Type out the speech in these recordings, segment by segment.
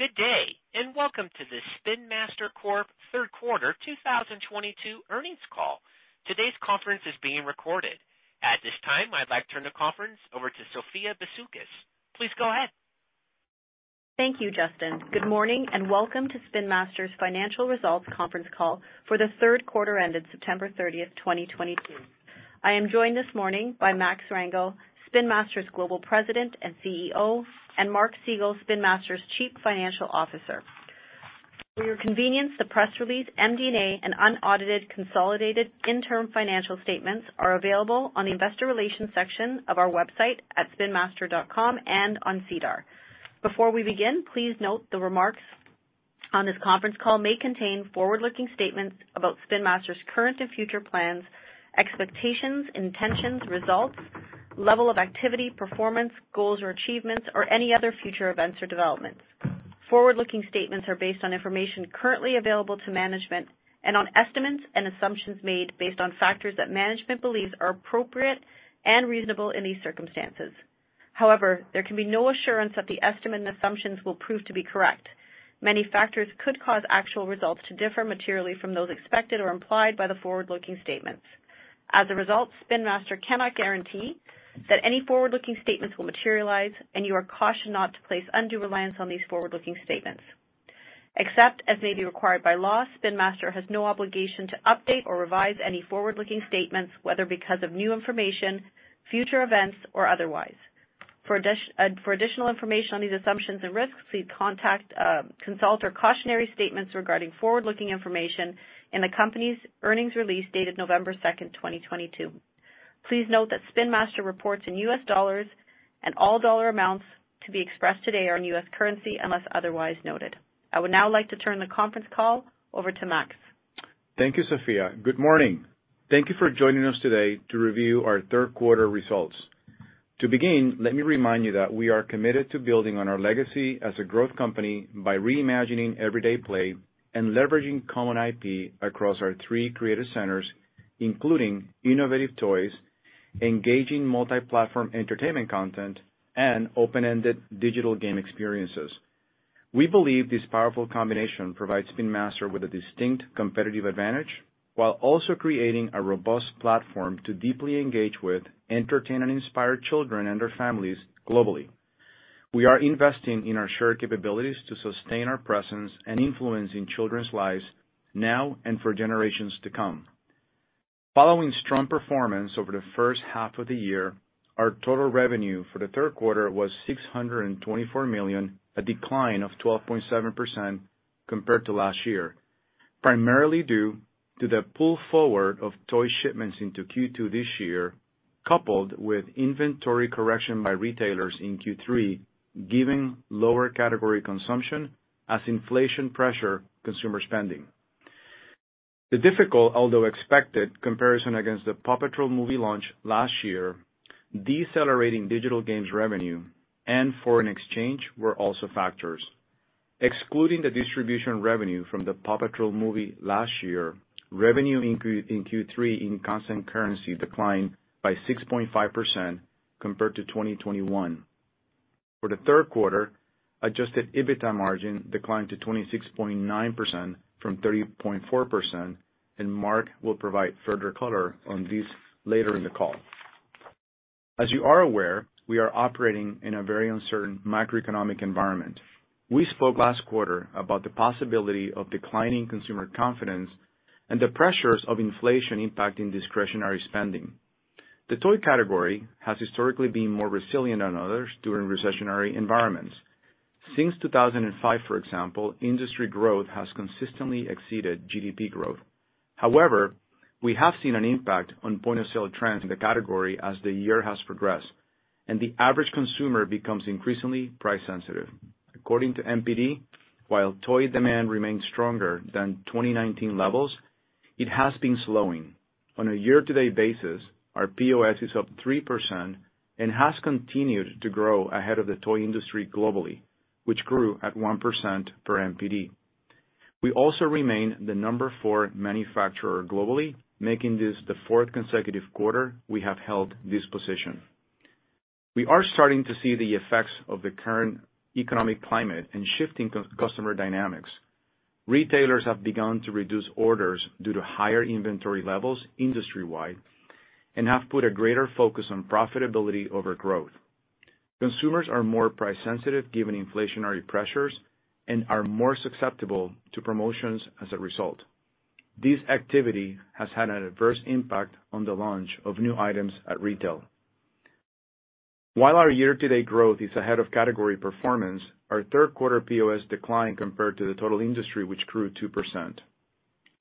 Good day, and welcome to the Spin Master Corp. third quarter 2022 earnings call. Today's conference is being recorded. At this time, I'd like to turn the conference over to Sophia Bisoukis. Please go ahead. Thank you, Justin. Good morning, and welcome to Spin Master's Financial Results Conference call for the third quarter ended September 30, 2022. I am joined this morning by Max Rangel, Spin Master's Global President and CEO, and Mark Segal, Spin Master's Chief Financial Officer. For your convenience, the press release, MD&A, and unaudited consolidated interim financial statements are available on the investor relations section of our website at spinmaster.com and on SEDAR. Before we begin, please note the remarks on this conference call may contain forward-looking statements about Spin Master's current and future plans, expectations, intentions, results, level of activity, performance, goals or achievements, or any other future events or developments. Forward-looking statements are based on information currently available to management and on estimates and assumptions made based on factors that management believes are appropriate and reasonable in these circumstances. However, there can be no assurance that the estimate and assumptions will prove to be correct. Many factors could cause actual results to differ materially from those expected or implied by the forward-looking statements. As a result, Spin Master cannot guarantee that any forward-looking statements will materialize, and you are cautioned not to place undue reliance on these forward-looking statements. Except as may be required by law, Spin Master has no obligation to update or revise any forward-looking statements, whether because of new information, future events, or otherwise. For additional information on these assumptions and risks, please consult our cautionary statements regarding forward-looking information in the company's earnings release dated November 2, 2022. Please note that Spin Master reports in US dollars and all dollar amounts to be expressed today are in US currency unless otherwise noted. I would now like to turn the conference call over to Max. Thank you, Sophia. Good morning. Thank you for joining us today to review our third quarter results. To begin, let me remind you that we are committed to building on our legacy as a growth company by reimagining everyday play and leveraging common IP across our three creative centers, including innovative toys, engaging multi-platform entertainment content, and open-ended digital game experiences. We believe this powerful combination provides Spin Master with a distinct competitive advantage, while also creating a robust platform to deeply engage with, entertain and inspire children and their families globally. We are investing in our shared capabilities to sustain our presence and influence in children's lives now and for generations to come. Following strong performance over the first half of the year, our total revenue for the third quarter was $624 million, a decline of 12.7% compared to last year, primarily due to the pull forward of toy shipments into Q2 this year, coupled with inventory correction by retailers in Q3, giving lower category consumption as inflation pressures consumer spending. The difficult, although expected, comparison against the PAW Patrol movie launch last year, decelerating digital games revenue and foreign exchange were also factors. Excluding the distribution revenue from the PAW Patrol movie last year, revenue in Q3 in constant currency declined by 6.5% compared to 2021. For the third quarter, adjusted EBITDA margin declined to 26.9% from 30.4%, and Mark will provide further color on these later in the call. As you are aware, we are operating in a very uncertain macroeconomic environment. We spoke last quarter about the possibility of declining consumer confidence and the pressures of inflation impacting discretionary spending. The toy category has historically been more resilient than others during recessionary environments. Since 2005, for example, industry growth has consistently exceeded GDP growth. However, we have seen an impact on point-of-sale trends in the category as the year has progressed, and the average consumer becomes increasingly price sensitive. According to NPD, while toy demand remains stronger than 2019 levels, it has been slowing. On a year-to-date basis, our POS is up 3% and has continued to grow ahead of the toy industry globally, which grew at 1% per NPD. We also remain the number four manufacturer globally, making this the fourth consecutive quarter we have held this position. We are starting to see the effects of the current economic climate and shifting customer dynamics. Retailers have begun to reduce orders due to higher inventory levels industry-wide and have put a greater focus on profitability over growth. Consumers are more price sensitive given inflationary pressures and are more susceptible to promotions as a result. This activity has had an adverse impact on the launch of new items at retail. While our year-to-date growth is ahead of category performance, our third quarter POS declined compared to the total industry, which grew 2%.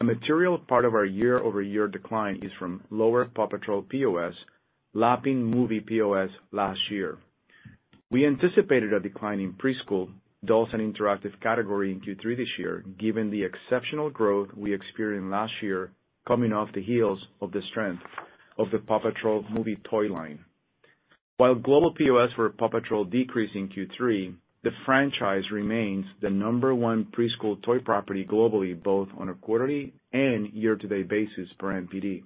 A material part of our year-over-year decline is from lower PAW Patrol POS lapping movie POS last year. We anticipated a decline in preschool dolls and interactive category in Q3 this year, given the exceptional growth we experienced last year coming off the heels of the strength of the PAW Patrol movie toy line. While global POS for PAW Patrol decreased in Q3, the franchise remains the number one preschool toy property globally, both on a quarterly and year-to-date basis per NPD.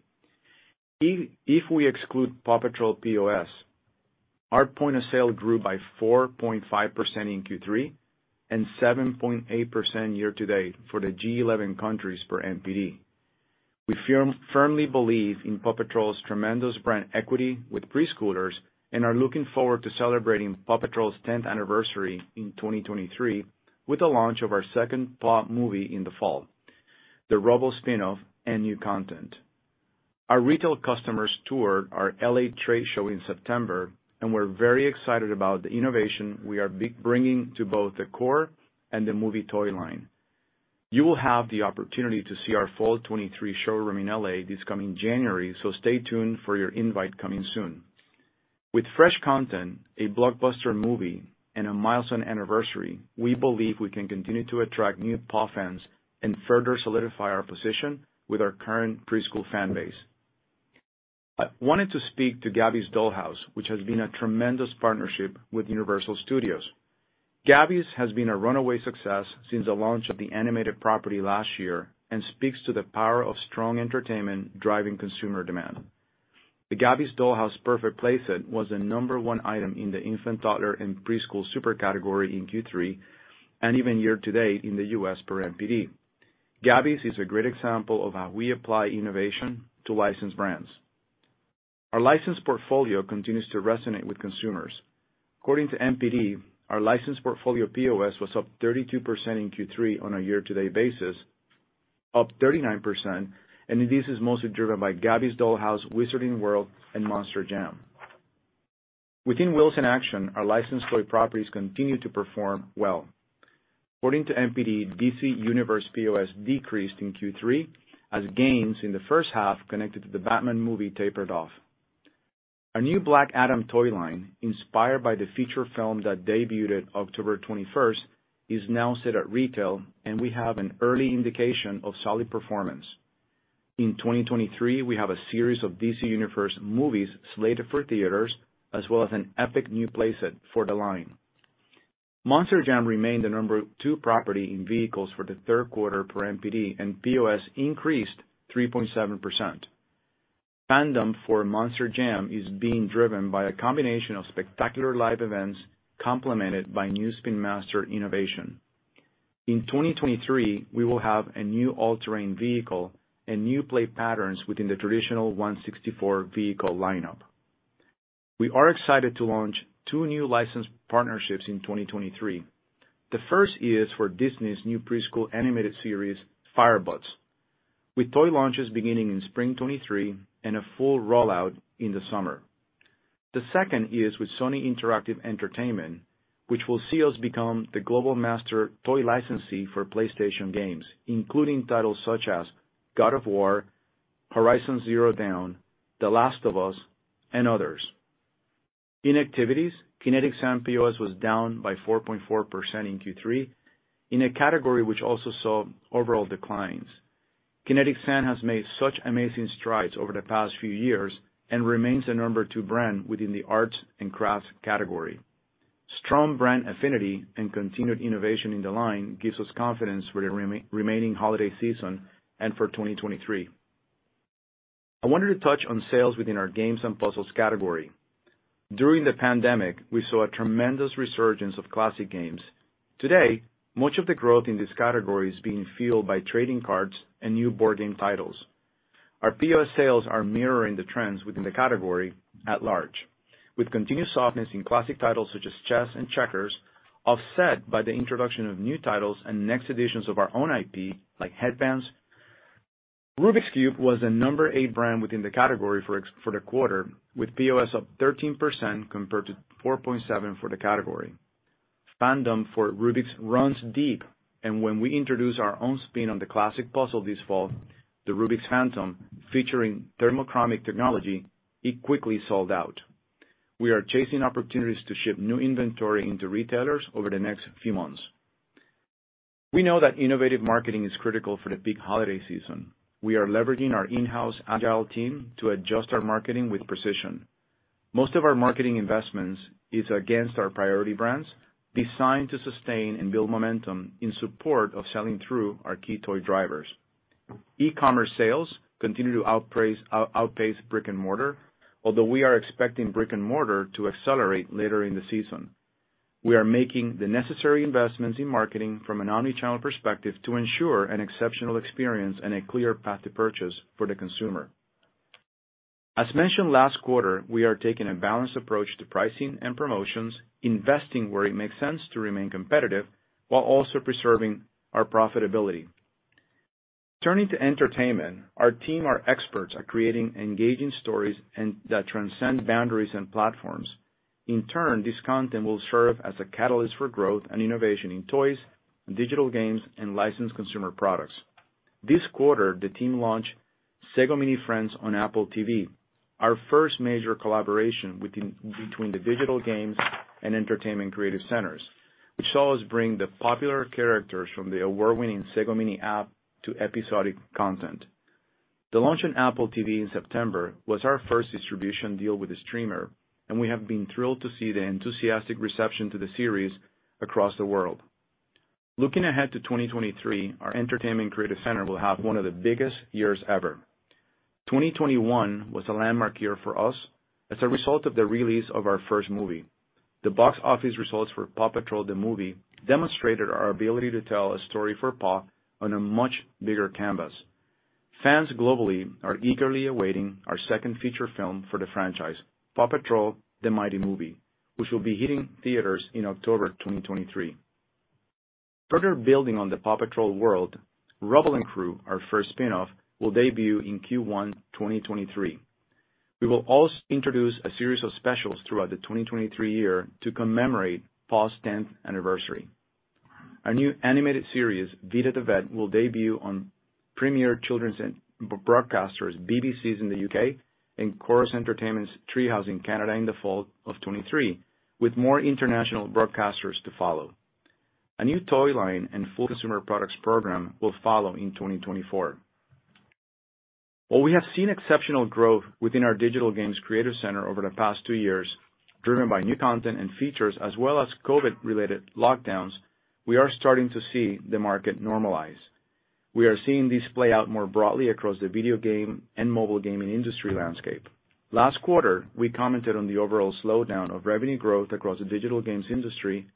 If we exclude PAW Patrol POS, our point of sale grew by 4.5% in Q3 and 7.8% year-to-date for the G11 countries per NPD. We firmly believe in PAW Patrol's tremendous brand equity with preschoolers, and are looking forward to celebrating PAW Patrol's tenth anniversary in 2023 with the launch of our second Paw movie in the fall, the Rubble spin-off, and new content. Our retail customers toured our L.A. trade show in September, and we're very excited about the innovation we are bringing to both the core and the movie toy line. You will have the opportunity to see our fall 2023 showroom in L.A. this coming January, so stay tuned for your invite coming soon. With fresh content, a blockbuster movie, and a milestone anniversary, we believe we can continue to attract new PAW fans and further solidify our position with our current preschool fan base. I wanted to speak to Gabby's Dollhouse, which has been a tremendous partnership with Universal Studios. Gabby's has been a runaway success since the launch of the animated property last year and speaks to the power of strong entertainment driving consumer demand. The Gabby's Dollhouse Purrfect Playset was the number one item in the infant, toddler, and preschool super category in Q3, and even year to date in the U.S. per NPD. Gabby's is a great example of how we apply innovation to licensed brands. Our license portfolio continues to resonate with consumers. According to NPD, our license portfolio POS was up 32% in Q3 on a year to date basis, up 39%, and this is mostly driven by Gabby's Dollhouse, Wizarding World, and Monster Jam. Within Wheels in Action, our licensed toy properties continue to perform well. According to NPD, DC Universe POS decreased in Q3 as gains in the first half connected to the Batman movie tapered off. Our new Black Adam toy line, inspired by the feature film that debuted October twenty-first, is now set at retail, and we have an early indication of solid performance. In 2023, we have a series of DC Universe movies slated for theaters, as well as an epic new play set for the line. Monster Jam remained the number two property in vehicles for the third quarter per NPD, and POS increased 3.7%. Fandom for Monster Jam is being driven by a combination of spectacular live events complemented by new Spin Master innovation. In 2023, we will have a new all-terrain vehicle and new play patterns within the traditional 1/64 vehicle lineup. We are excited to launch two new license partnerships in 2023. The first is for Disney's new preschool animated series, Firebuds, with toy launches beginning in spring 2023 and a full rollout in the summer. The second is with Sony Interactive Entertainment, which will see us become the global master toy licensee for PlayStation games, including titles such as God of War, Horizon Zero Dawn, The Last of Us, and others. In activities, Kinetic Sand POS was down by 4.4% in Q3 in a category which also saw overall declines. Kinetic Sand has made such amazing strides over the past few years and remains the number 2 brand within the arts and crafts category. Strong brand affinity and continued innovation in the line gives us confidence for the remaining holiday season and for 2023. I wanted to touch on sales within our games and puzzles category. During the pandemic, we saw a tremendous resurgence of classic games. Today, much of the growth in this category is being fueled by trading cards and new board game titles. Our POS sales are mirroring the trends within the category at large, with continued softness in classic titles such as chess and checkers, offset by the introduction of new titles and next editions of our own IP, like Hedbanz. Rubik's Cube was the number 8 brand within the category for the quarter, with POS up 13% compared to 4.7% for the category. Fandom for Rubik's runs deep, and when we introduced our own spin on the classic puzzle this fall, the Rubik's Phantom, featuring thermochromic technology, it quickly sold out. We are chasing opportunities to ship new inventory into retailers over the next few months. We know that innovative marketing is critical for the peak holiday season. We are leveraging our in-house agile team to adjust our marketing with precision. Most of our marketing investments is against our priority brands, designed to sustain and build momentum in support of selling through our key toy drivers. E-commerce sales continue to outpace brick and mortar, although we are expecting brick and mortar to accelerate later in the season. We are making the necessary investments in marketing from an omnichannel perspective to ensure an exceptional experience and a clear path to purchase for the consumer. As mentioned last quarter, we are taking a balanced approach to pricing and promotions, investing where it makes sense to remain competitive while also preserving our profitability. Turning to entertainment, our team are experts at creating engaging stories and that transcend boundaries and platforms. In turn, this content will serve as a catalyst for growth and innovation in toys, digital games, and licensed consumer products. This quarter, the team launched Sago Mini Friends on Apple TV+, our first major collaboration between the digital games and entertainment creative centers, which saw us bring the popular characters from the award-winning Sago Mini app to episodic content. The launch on Apple TV+ in September was our first distribution deal with the streamer, and we have been thrilled to see the enthusiastic reception to the series across the world. Looking ahead to 2023, our entertainment creative center will have one of the biggest years ever. 2021 was a landmark year for us as a result of the release of our first movie. The box office results for PAW Patrol: The Movie demonstrated our ability to tell a story for Paw on a much bigger canvas. Fans globally are eagerly awaiting our second feature film for the franchise, PAW Patrol: The Mighty Movie, which will be hitting theaters in October 2023. Further building on the PAW Patrol world, Rubble & Crew, our first spinoff, will debut in Q1 2023. We will also introduce a series of specials throughout the 2023 year to commemorate PAW's tenth anniversary. Our new animated series, Vida the Vet, will debut on premier children's and broadcasters, BBC's in the U.K. and Corus Entertainment's Treehouse in Canada in the fall of 2023, with more international broadcasters to follow. A new toy line and full consumer products program will follow in 2024. While we have seen exceptional growth within our digital games creative center over the past 2 years, driven by new content and features, as well as COVID-related lockdowns, we are starting to see the market normalize. We are seeing this play out more broadly across the video game and mobile gaming industry landscape. Last quarter, we commented on the overall slowdown of revenue growth across the digital games industry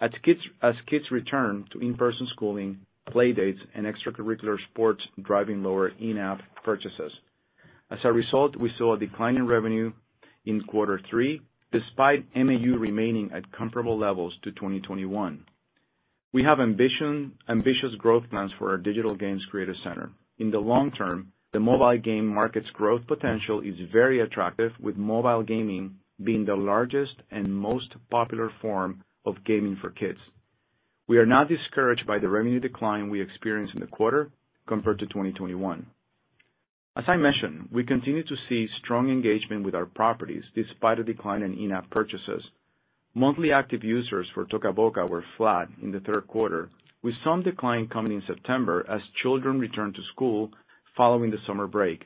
as kids return to in-person schooling, play dates, and extracurricular sports, driving lower in-app purchases. As a result, we saw a decline in revenue in quarter three despite MAU remaining at comparable levels to 2021. We have ambitious growth plans for our digital games creative center. In the long term, the mobile game market's growth potential is very attractive, with mobile gaming being the largest and most popular form of gaming for kids. We are not discouraged by the revenue decline we experienced in the quarter compared to 2021. As I mentioned, we continue to see strong engagement with our properties despite a decline in in-app purchases. Monthly active users for Toca Boca were flat in the third quarter, with some decline coming in September as children returned to school following the summer break.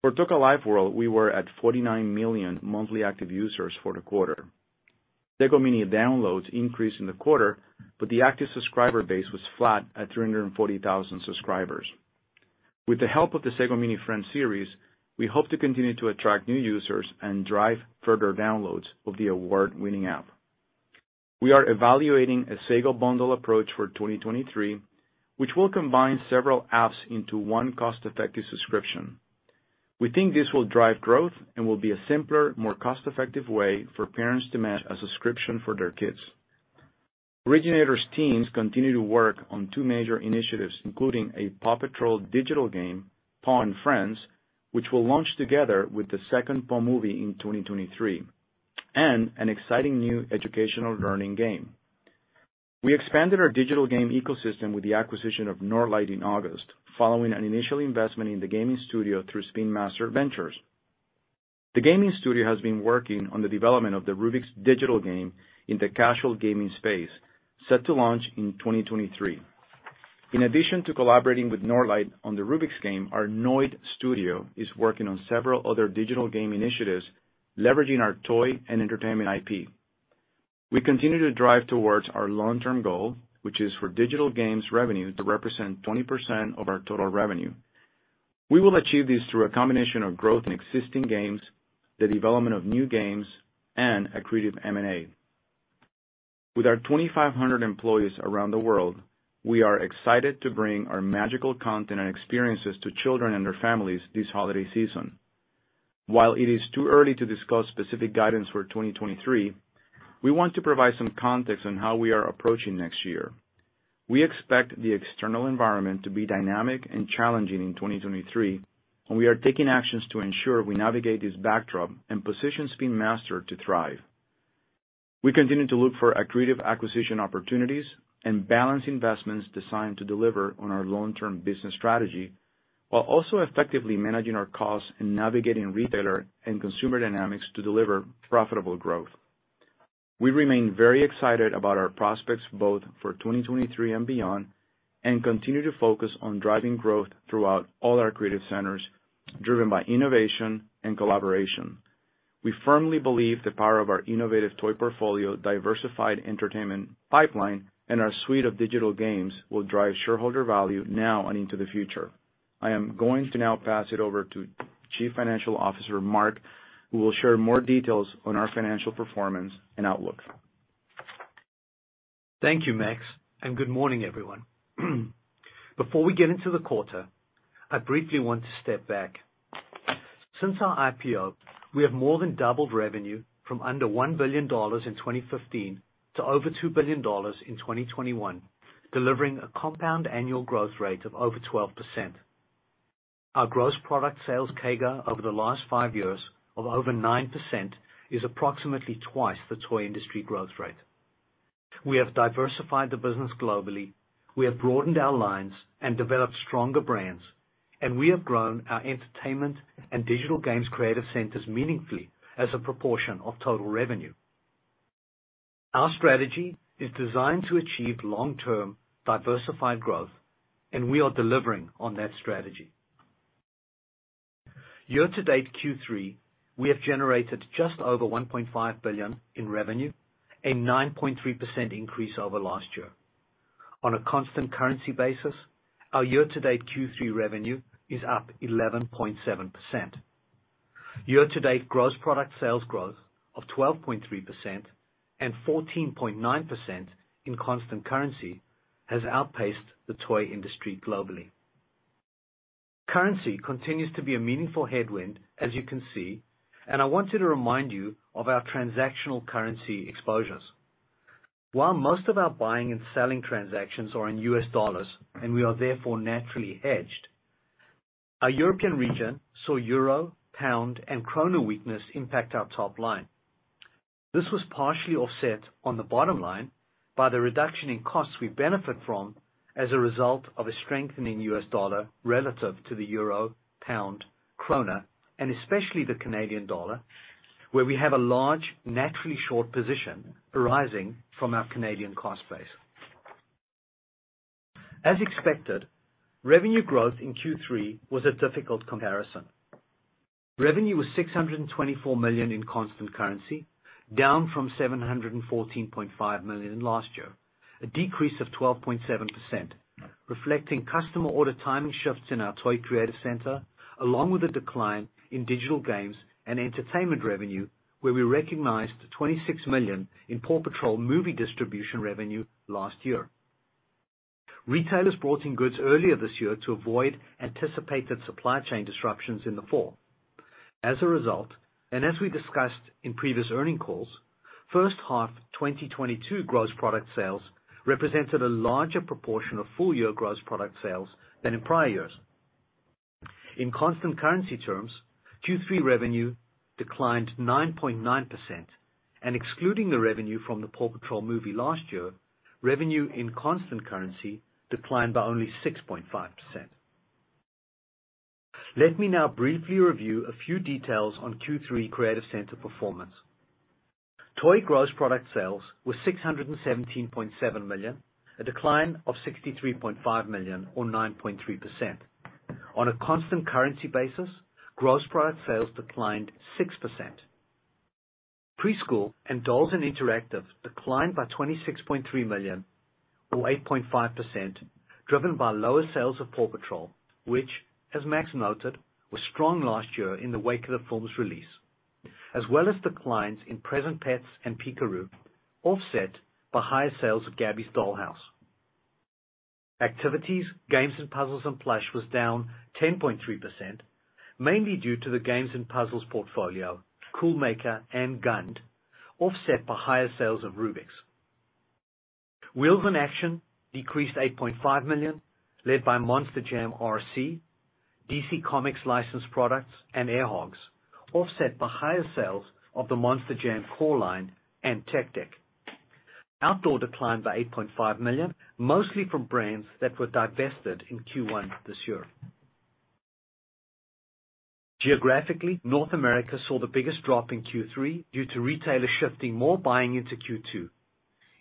For Toca Life World, we were at 49 million monthly active users for the quarter. Sago Mini downloads increased in the quarter, but the active subscriber base was flat at 340,000 subscribers. With the help of the Sago Mini Friends series, we hope to continue to attract new users and drive further downloads of the award-winning app. We are evaluating a Sago bundle approach for 2023, which will combine several apps into one cost-effective subscription. We think this will drive growth and will be a simpler, more cost-effective way for parents to manage a subscription for their kids. Originator's teams continue to work on two major initiatives, including a PAW Patrol digital game, Paw and Friends, which will launch together with the second PAW movie in 2023, and an exciting new educational learning game. We expanded our digital game ecosystem with the acquisition of Nørdlight in August, following an initial investment in the gaming studio through Spin Master Ventures. The gaming studio has been working on the development of the Rubik's digital game in the casual gaming space, set to launch in 2023. In addition to collaborating with Nørdlight on the Rubik's game, our Nørdlight Studio is working on several other digital game initiatives leveraging our toy and entertainment IP. We continue to drive towards our long-term goal, which is for digital games revenue to represent 20% of our total revenue. We will achieve this through a combination of growth in existing games, the development of new games, and accretive M&A. With our 2,500 employees around the world, we are excited to bring our magical content and experiences to children and their families this holiday season. While it is too early to discuss specific guidance for 2023, we want to provide some context on how we are approaching next year. We expect the external environment to be dynamic and challenging in 2023, and we are taking actions to ensure we navigate this backdrop and position Spin Master to thrive. We continue to look for accretive acquisition opportunities and balance investments designed to deliver on our long-term business strategy while also effectively managing our costs and navigating retailer and consumer dynamics to deliver profitable growth. We remain very excited about our prospects, both for 2023 and beyond, and continue to focus on driving growth throughout all our creative centers, driven by innovation and collaboration. We firmly believe the power of our innovative toy portfolio, diversified entertainment pipeline, and our suite of digital games will drive shareholder value now and into the future. I am going to now pass it over to Chief Financial Officer Mark Segal, who will share more details on our financial performance and outlook. Thank you, Max, and good morning, everyone. Before we get into the quarter, I briefly want to step back. Since our IPO, we have more than doubled revenue from under $1 billion in 2015 to over $2 billion in 2021, delivering a CAGR of over 12%. Our gross product sales CAGR over the last 5 years of over 9% is approximately twice the toy industry growth rate. We have diversified the business globally. We have broadened our lines and developed stronger brands, and we have grown our entertainment and digital games creative centers meaningfully as a proportion of total revenue. Our strategy is designed to achieve long-term diversified growth, and we are delivering on that strategy. Year-to-date Q3, we have generated just over $1.5 billion in revenue, a 9.3% increase over last year. On a constant currency basis, our year-to-date Q3 revenue is up 11.7%. Year-to-date gross product sales growth of 12.3% and 14.9% in constant currency has outpaced the toy industry globally. Currency continues to be a meaningful headwind as you can see, and I wanted to remind you of our transactional currency exposures. While most of our buying and selling transactions are in US dollars, and we are therefore naturally hedged, our European region saw euro, pound, and krona weakness impact our top line. This was partially offset on the bottom line by the reduction in costs we benefit from as a result of a strengthening US dollar relative to the euro, pound, krona, and especially the Canadian dollar, where we have a large naturally short position arising from our Canadian cost base. As expected, revenue growth in Q3 was a difficult comparison. Revenue was $624 million in constant currency, down from $714.5 million last year, a decrease of 12.7%, reflecting customer order timing shifts in our toy creative center, along with a decline in digital games and entertainment revenue, where we recognized $26 million in PAW Patrol movie distribution revenue last year. Retailers brought in goods earlier this year to avoid anticipated supply chain disruptions in the fall. As a result, and as we discussed in previous earnings calls, first half 2022 gross product sales represented a larger proportion of full-year gross product sales than in prior years. In constant currency terms, Q3 revenue declined 9.9%, and excluding the revenue from the PAW Patrol movie last year, revenue in constant currency declined by only 6.5%. Let me now briefly review a few details on Q3 creative center performance. Toy gross product sales were $617.7 million, a decline of $63.5 million or 9.3%. On a constant currency basis, gross product sales declined 6%. Preschool and dolls and interactive declined by $26.3 million, or 8.5%, driven by lower sales of PAW Patrol, which, as Max noted, was strong last year in the wake of the film's release, as well as declines in Present Pets and Peek-A-Roo, offset by higher sales of Gabby's Dollhouse. Activities, games and puzzles, and plush was down 10.3%, mainly due to the games and puzzles portfolio, Cool Maker and Gund, offset by higher sales of Rubik's. Wheels in Action decreased $8.5 million, led by Monster Jam RC, DC Comics licensed products, and Air Hogs, offset by higher sales of the Monster Jam core line and Tech Deck. Outdoor declined by $8.5 million, mostly from brands that were divested in Q1 this year. Geographically, North America saw the biggest drop in Q3 due to retailers shifting more buying into Q2.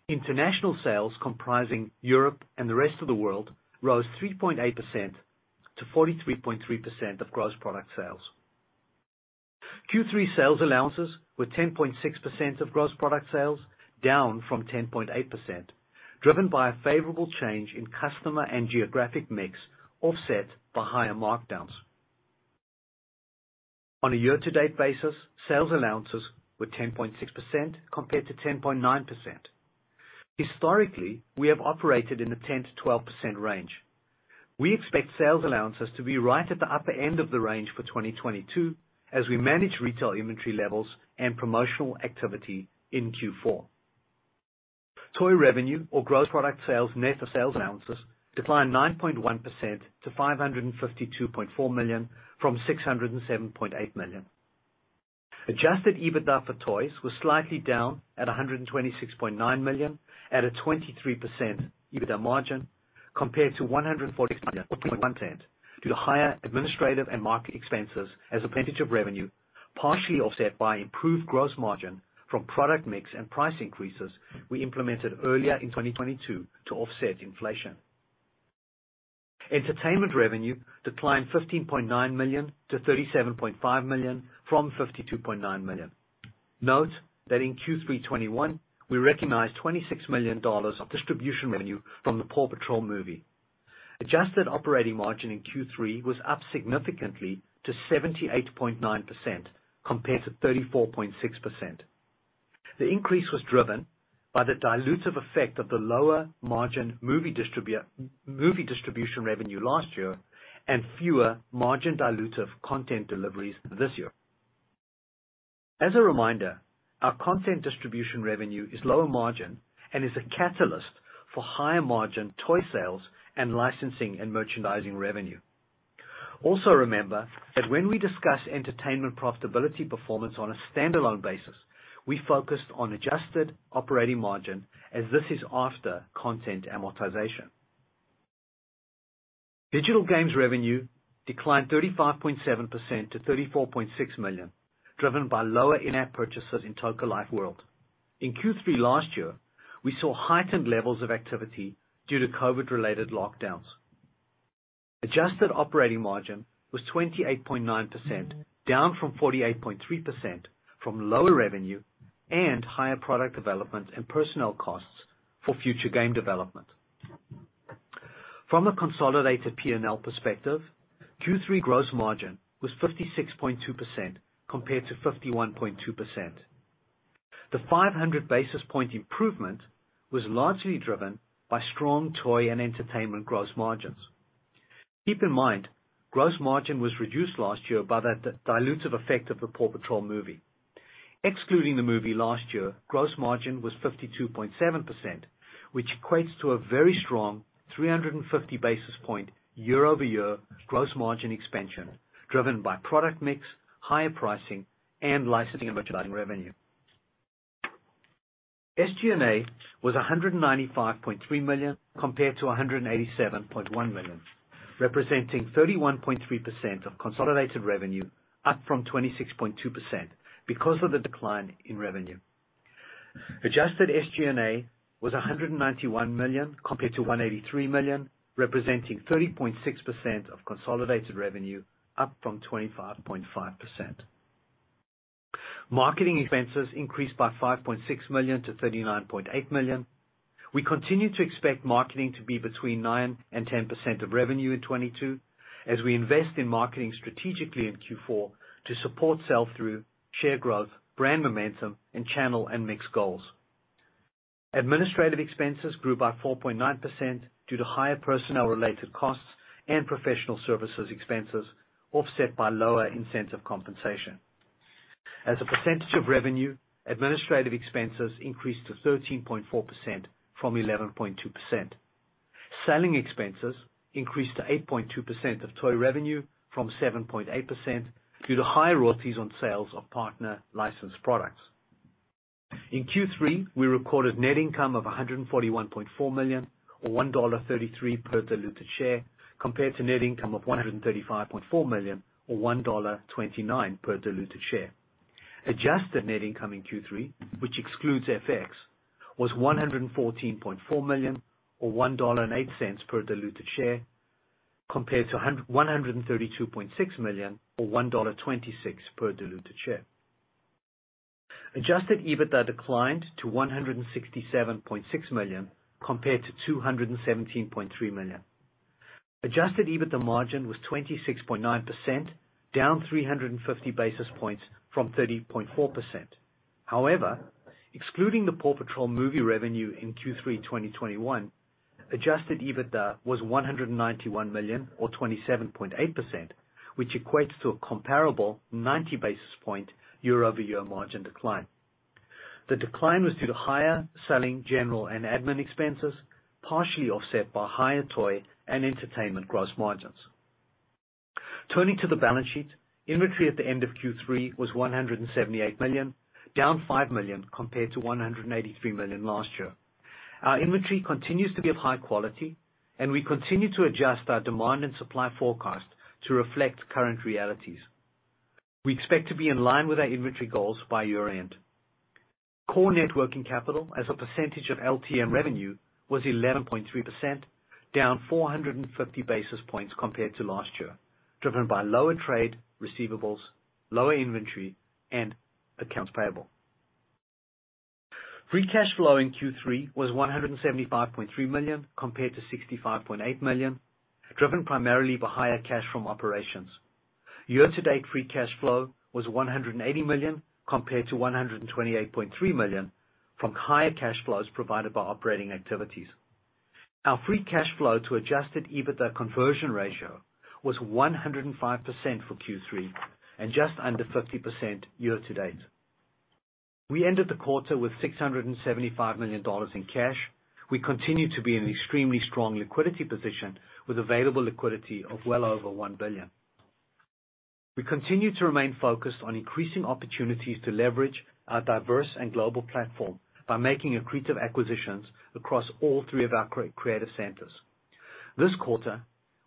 International sales comprising Europe and the rest of the world rose 3.8% to 43.3% of gross product sales. Q3 sales allowances were 10.6% of gross product sales, down from 10.8%, driven by a favorable change in customer and geographic mix offset by higher markdowns. On a year-to-date basis, sales allowances were 10.6% compared to 10.9%. Historically, we have operated in the 10%-12% range. We expect sales allowances to be right at the upper end of the range for 2022 as we manage retail inventory levels and promotional activity in Q4. Toy revenue or gross product sales net of sales allowances declined 9.1% to $552.4 million from $607.8 million. Adjusted EBITDA for toys was slightly down at $126.9 million at a 23% EBITDA margin compared to $142.1 million due to higher administrative and marketing expenses as a percentage of revenue, partially offset by improved gross margin from product mix and price increases we implemented earlier in 2022 to offset inflation. Entertainment revenue declined $15.9 million to $37.5 million from $52.9 million. Note that in Q3 2021, we recognized $26 million of distribution revenue from the PAW Patrol movie. Adjusted operating margin in Q3 was up significantly to 78.9% compared to 34.6%. The increase was driven by the dilutive effect of the lower margin movie distribution revenue last year and fewer margin-dilutive content deliveries this year. As a reminder, our content distribution revenue is lower margin and is a catalyst for higher margin toy sales and licensing and merchandising revenue. Also remember that when we discuss entertainment profitability performance on a standalone basis, we focused on adjusted operating margin as this is after content amortization. Digital games revenue declined 35.7% to $34.6 million, driven by lower in-app purchases in Toca Life World. In Q3 last year, we saw heightened levels of activity due to COVID-related lockdowns. Adjusted operating margin was 28.9%, down from 48.3% from lower revenue and higher product development and personnel costs for future game development. From a consolidated P&L perspective, Q3 gross margin was 56.2% compared to 51.2%. The 500 basis point improvement was largely driven by strong toy and entertainment gross margins. Keep in mind, gross margin was reduced last year by the dilutive effect of the PAW Patrol movie. Excluding the movie last year, gross margin was 52.7%, which equates to a very strong 350 basis point year-over-year gross margin expansion, driven by product mix, higher pricing, and licensing and merchandising revenue. SG&A was $195.3 million compared to $187.1 million, representing 31.3% of consolidated revenue, up from 26.2% because of the decline in revenue. Adjusted SG&A was $191 million compared to $183 million, representing 30.6% of consolidated revenue, up from 25.5%. Marketing expenses increased by $5.6 million to $39.8 million. We continue to expect marketing to be between 9%-10% of revenue in 2022 as we invest in marketing strategically in Q4 to support sell-through, share growth, brand momentum, and channel and mix goals. Administrative expenses grew by 4.9% due to higher personnel related costs and professional services expenses, offset by lower incentive compensation. As a percentage of revenue, administrative expenses increased to 13.4% from 11.2%. Selling expenses increased to 8.2% of toy revenue from 7.8% due to higher royalties on sales of partner licensed products. In Q3, we recorded net income of $141.4 million or $1.33 per diluted share compared to net income of $135.4 million or $1.29 per diluted share. Adjusted net income in Q3, which excludes FX, was $114.4 million or $1.08 per diluted share compared to $132.6 million or $1.26 per diluted share. Adjusted EBITDA declined to $167.6 million compared to $217.3 million. Adjusted EBITDA margin was 26.9%, down 350 basis points from 30.4%. However, excluding the PAW Patrol movie revenue in Q3 2021, adjusted EBITDA was $191 million or 27.8%, which equates to a comparable 90 basis point year-over-year margin decline. The decline was due to higher selling, general, and admin expenses, partially offset by higher toy and entertainment gross margins. Turning to the balance sheet, inventory at the end of Q3 was $178 million, down $5 million compared to $183 million last year. Our inventory continues to be of high quality, and we continue to adjust our demand and supply forecast to reflect current realities. We expect to be in line with our inventory goals by year-end. Core net working capital as a percentage of LTM revenue was 11.3%, down 450 basis points compared to last year, driven by lower trade receivables, lower inventory, and accounts payable. Free cash flow in Q3 was $175.3 million compared to $65.8 million, driven primarily by higher cash from operations. Year-to-date free cash flow was $180 million compared to $128.3 million from higher cash flows provided by operating activities. Our free cash flow to adjusted EBITDA conversion ratio was 105% for Q3 and just under 50% year-to-date. We ended the quarter with $675 million in cash. We continue to be in an extremely strong liquidity position with available liquidity of well over $1 billion. We continue to remain focused on increasing opportunities to leverage our diverse and global platform by making accretive acquisitions across all three of our creative centers. This quarter,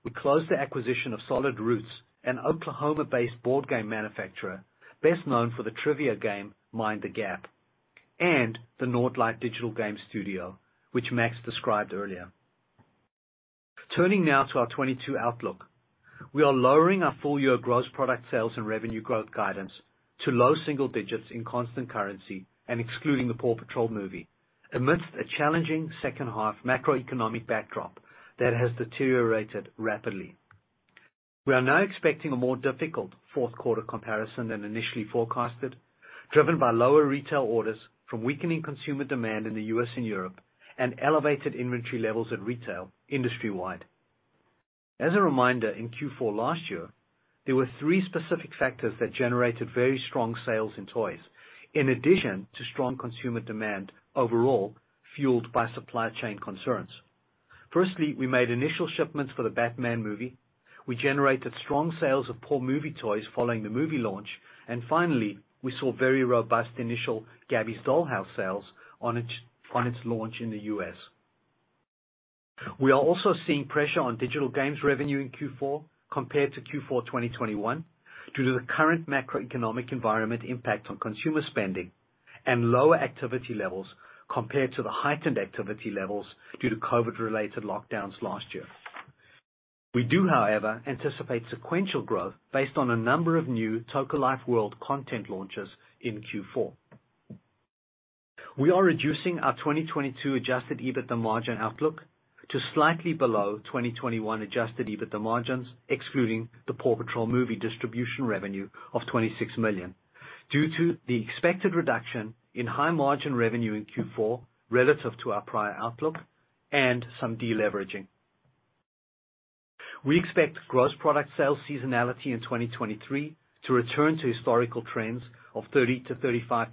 we closed the acquisition of Solid Roots, an Oklahoma-based board game manufacturer best known for the trivia game Mind the Gap, and the Nørdlight digital games studio, which Max described earlier. Turning now to our 2022 outlook. We are lowering our full year gross product sales and revenue growth guidance to low single digits% in constant currency and excluding the PAW Patrol movie amidst a challenging second half macroeconomic backdrop that has deteriorated rapidly. We are now expecting a more difficult fourth quarter comparison than initially forecasted, driven by lower retail orders from weakening consumer demand in the U.S. and Europe and elevated inventory levels at retail industry-wide. As a reminder, in Q4 last year, there were three specific factors that generated very strong sales in toys, in addition to strong consumer demand overall, fueled by supply chain concerns. Firstly, we made initial shipments for the Batman movie. We generated strong sales of PAW Patrol movie toys following the movie launch. And finally, we saw very robust initial Gabby's Dollhouse sales on its launch in the US. We are also seeing pressure on digital games revenue in Q4 compared to Q4 2021 due to the current macroeconomic environment impact on consumer spending and lower activity levels compared to the heightened activity levels due to COVID-related lockdowns last year. We do, however, anticipate sequential growth based on a number of new Toca Life World content launches in Q4. We are reducing our 2022 adjusted EBITDA margin outlook to slightly below 2021 adjusted EBITDA margins, excluding the PAW Patrol movie distribution revenue of $26 million, due to the expected reduction in high margin revenue in Q4 relative to our prior outlook and some deleveraging. We expect gross product sales seasonality in 2023 to return to historical trends of 30%-35%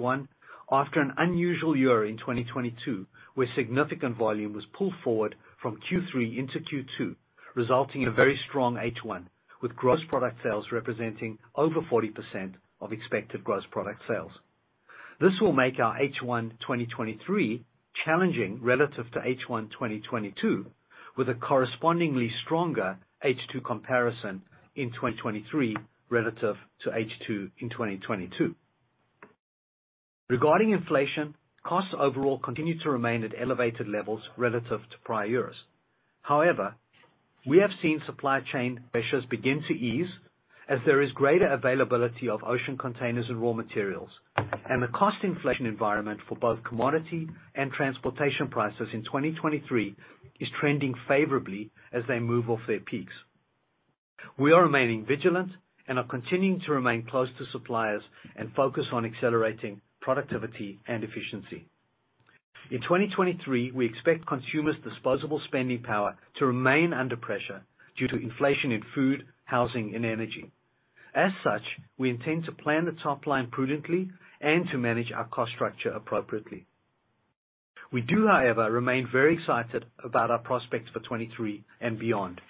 H1 after an unusual year in 2022, where significant volume was pulled forward from Q3 into Q2, resulting in a very strong H1, with gross product sales representing over 40% of expected gross product sales. This will make our H1 2023 challenging relative to H1 2022, with a correspondingly stronger H2 comparison in 2023 relative to H2 in 2022. Regarding inflation, costs overall continue to remain at elevated levels relative to prior years. However, we have seen supply chain pressures begin to ease as there is greater availability of ocean containers and raw materials, and the cost inflation environment for both commodity and transportation prices in 2023 is trending favorably as they move off their peaks. We are remaining vigilant and are continuing to remain close to suppliers and focus on accelerating productivity and efficiency. In 2023, we expect consumers' disposable spending power to remain under pressure due to inflation in food, housing and energy. As such, we intend to plan the top line prudently and to manage our cost structure appropriately. We do, however, remain very excited about our prospects for 2023 and beyond.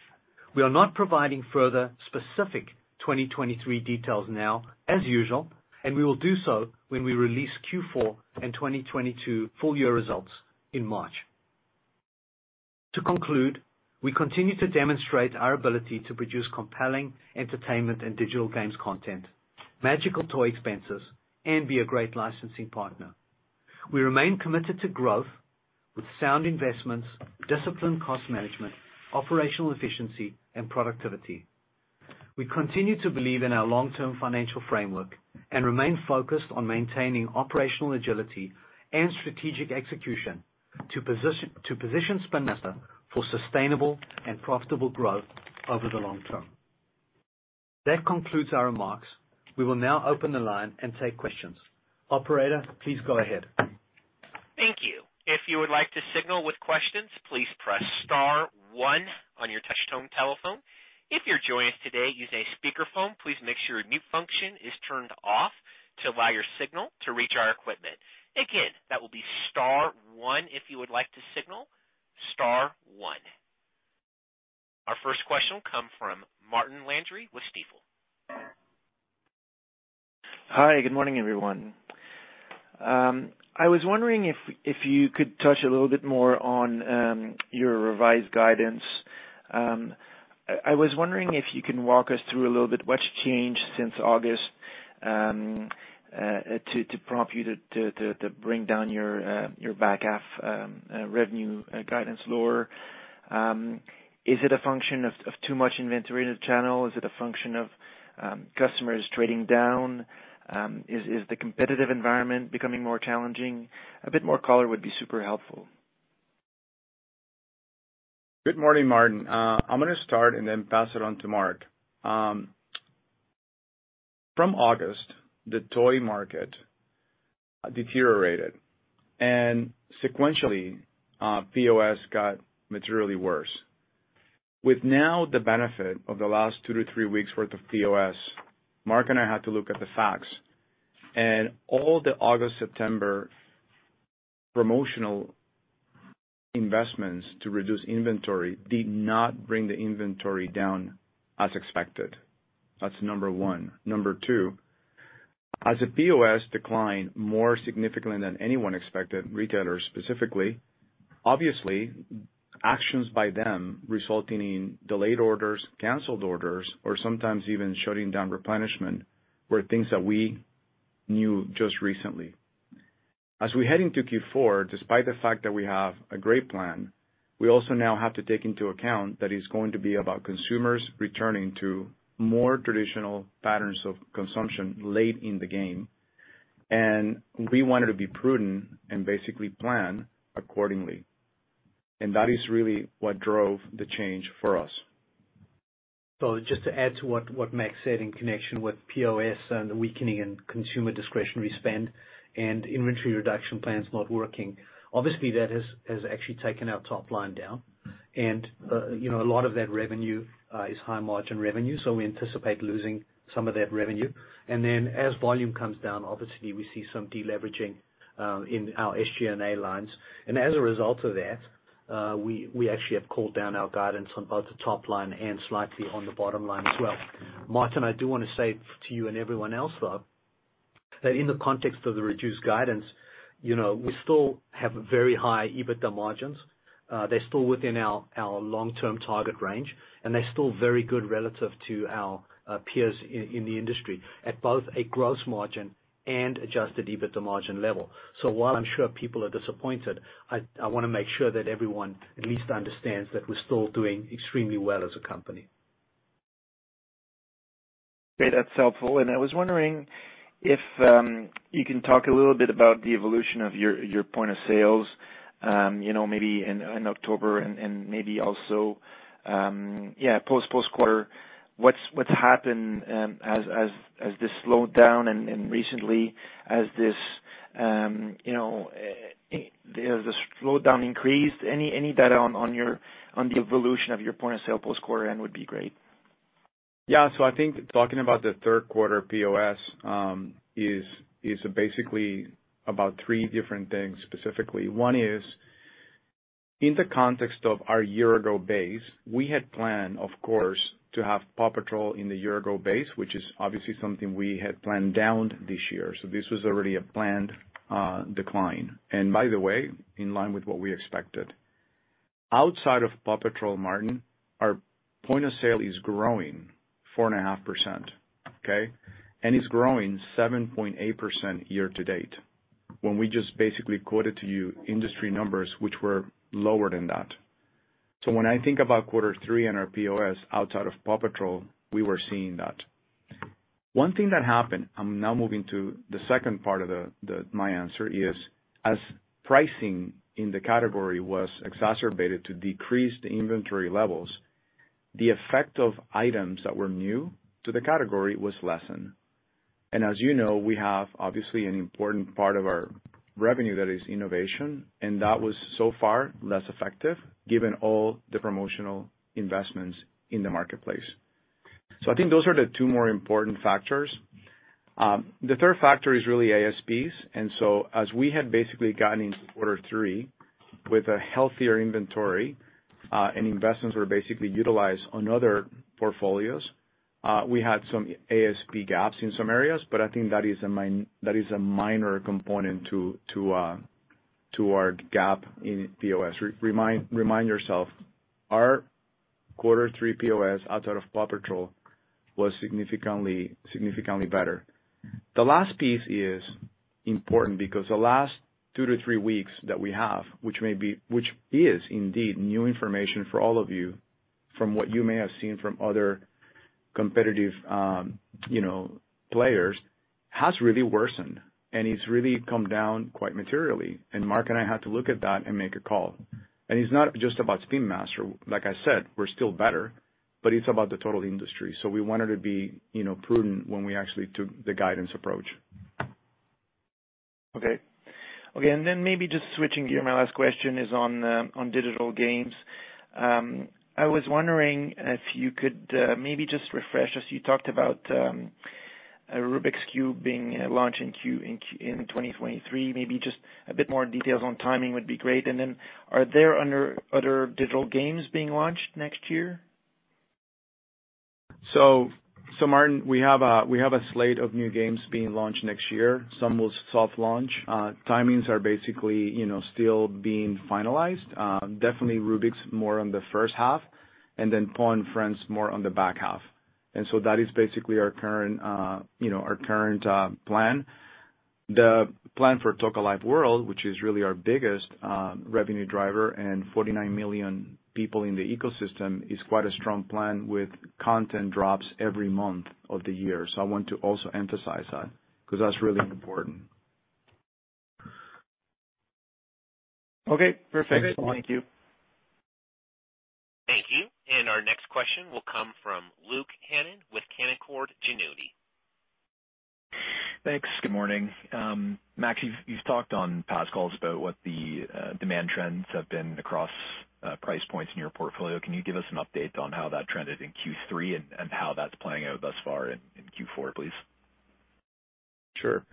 We are not providing further specific 2023 details now, as usual, and we will do so when we release Q4 and 2022 full year results in March. To conclude, we continue to demonstrate our ability to produce compelling entertainment and digital games content, magical toy experiences, and be a great licensing partner. We remain committed to growth with sound investments, disciplined cost management, operational efficiency, and productivity. We continue to believe in our long-term financial framework and remain focused on maintaining operational agility and strategic execution to position Spin Master for sustainable and profitable growth over the long term. That concludes our remarks. We will now open the line and take questions. Operator, please go ahead. Thank you. If you would like to signal with questions, please press star one on your touchtone telephone. If you're joining us today using a speakerphone, please make sure mute function is turned off to allow your signal to reach our equipment. Again, that will be star one if you would like to signal. Star one. Our first question will come from Martin Landry with Stifel. Hi. Good morning, everyone. I was wondering if you could touch a little bit more on your revised guidance. I was wondering if you can walk us through a little bit what's changed since August to bring down your back half revenue guidance lower. Is it a function of too much inventory in the channel? Is it a function of customers trading down? Is the competitive environment becoming more challenging? A bit more color would be super helpful. Good morning, Martin Landry. I'm gonna start and then pass it on to Mark Segal. From August, the toy market deteriorated and sequentially, POS got materially worse. With now the benefit of the last 2-3 weeks worth of POS, Mark Segal and I had to look at the facts, and all the August, September promotional investments to reduce inventory did not bring the inventory down as expected. That's number one. Number two, as the POS declined more significantly than anyone expected, retailers specifically, obviously actions by them resulting in delayed orders, canceled orders, or sometimes even shutting down replenishment were things that we knew just recently. As we head into Q4, despite the fact that we have a great plan, we also now have to take into account that it's going to be about consumers returning to more traditional patterns of consumption late in the game, and we wanted to be prudent and basically plan accordingly. That is really what drove the change for us. Just to add to what Max said in connection with POS and the weakening in consumer discretionary spend and inventory reduction plans not working, obviously that has actually taken our top line down. You know, a lot of that revenue is high margin revenue, so we anticipate losing some of that revenue. Then as volume comes down, obviously we see some deleveraging in our SG&A lines. As a result of that, we actually have called down our guidance on both the top line and slightly on the bottom line as well. Martin, I do wanna say to you and everyone else, though. In the context of the reduced guidance, you know, we still have very high EBITDA margins. They're still within our long-term target range, and they're still very good relative to our peers in the industry at both a gross margin and adjusted EBITDA margin level. While I'm sure people are disappointed, I wanna make sure that everyone at least understands that we're still doing extremely well as a company. Okay, that's helpful. I was wondering if you can talk a little bit about the evolution of your point of sale, you know, maybe in October and maybe also, yeah, post quarter, what's happened, as this slowed down and recently as the slowdown increased? Any data on the evolution of your point of sale post quarter end would be great. Yeah. I think talking about the third quarter POS is basically about three different things specifically. One is in the context of our year-ago base, we had planned, of course, to have Paw Patrol in the year-ago base, which is obviously something we had planned down this year. This was already a planned decline, and by the way, in line with what we expected. Outside of Paw Patrol, Martin, our point of sale is growing 4.5%, okay? It's growing 7.8% year to date, when we just basically quoted to you industry numbers which were lower than that. When I think about quarter three and our POS outside of Paw Patrol, we were seeing that. One thing that happened, I'm now moving to the second part of the. My answer is, as pricing in the category was exacerbated to decrease the inventory levels, the effect of items that were new to the category was lessened. As you know, we have obviously an important part of our revenue that is innovation, and that was so far less effective given all the promotional investments in the marketplace. I think those are the two more important factors. The third factor is really ASPs. As we had basically gotten into quarter three with a healthier inventory, and investments were basically utilized on other portfolios, we had some ASP gaps in some areas, but I think that is a minor component to our gap in POS. Remind yourself, our quarter three POS outside of PAW Patrol was significantly better. The last piece is important because the last 2-3 weeks that we have, which is indeed new information for all of you from what you may have seen from other competitive, you know, players, has really worsened, and it's really come down quite materially. Mark and I had to look at that and make a call. It's not just about Spin Master. Like I said, we're still better, but it's about the total industry. We wanted to be, you know, prudent when we actually took the guidance approach. Okay, maybe just switching gears, my last question is on digital games. I was wondering if you could maybe just refresh us. You talked about Rubik's Cube being launched in Q1 2023. Maybe just a bit more details on timing would be great. Are there other digital games being launched next year? Martin, we have a slate of new games being launched next year. Some will soft launch. Timings are basically, you know, still being finalized. Definitely Rubik's more on the first half, and then PAW and Friends more on the back half. That is basically our current plan. The plan for Toca Life World, which is really our biggest revenue driver and 49 million people in the ecosystem, is quite a strong plan with content drops every month of the year. I want to also emphasize that, 'cause that's really important. Okay, perfect. Is that's it? Thank you. Thank you. Our next question will come from Luke Hannan with Canaccord Genuity. Thanks. Good morning. Max, you've talked on past calls about what the demand trends have been across price points in your portfolio. Can you give us an update on how that trended in Q3 and how that's playing out thus far in Q4, please? Sure.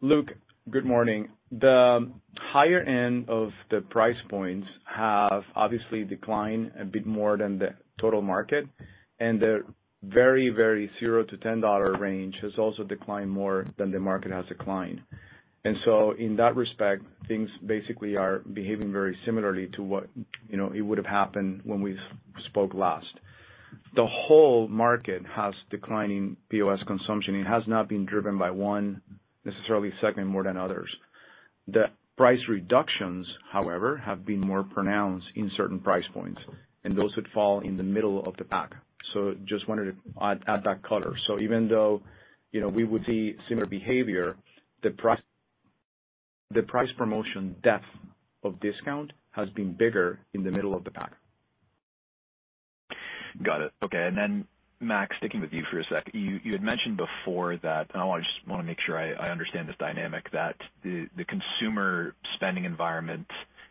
Luke, good morning. The higher end of the price points have obviously declined a bit more than the total market, and the very, very $0-$10 range has also declined more than the market has declined. In that respect, things basically are behaving very similarly to what, you know, it would have happened when we spoke last. The whole market has declining POS consumption. It has not been driven by one necessarily segment more than others. The price reductions, however, have been more pronounced in certain price points, and those would fall in the middle of the pack. Just wanted to add that color. Even though, you know, we would see similar behavior, the price promotion depth of discount has been bigger in the middle of the pack. Got it. Okay. Then, Max, sticking with you for a sec. You had mentioned before that, and I just wanna make sure I understand this dynamic, that the consumer spending environment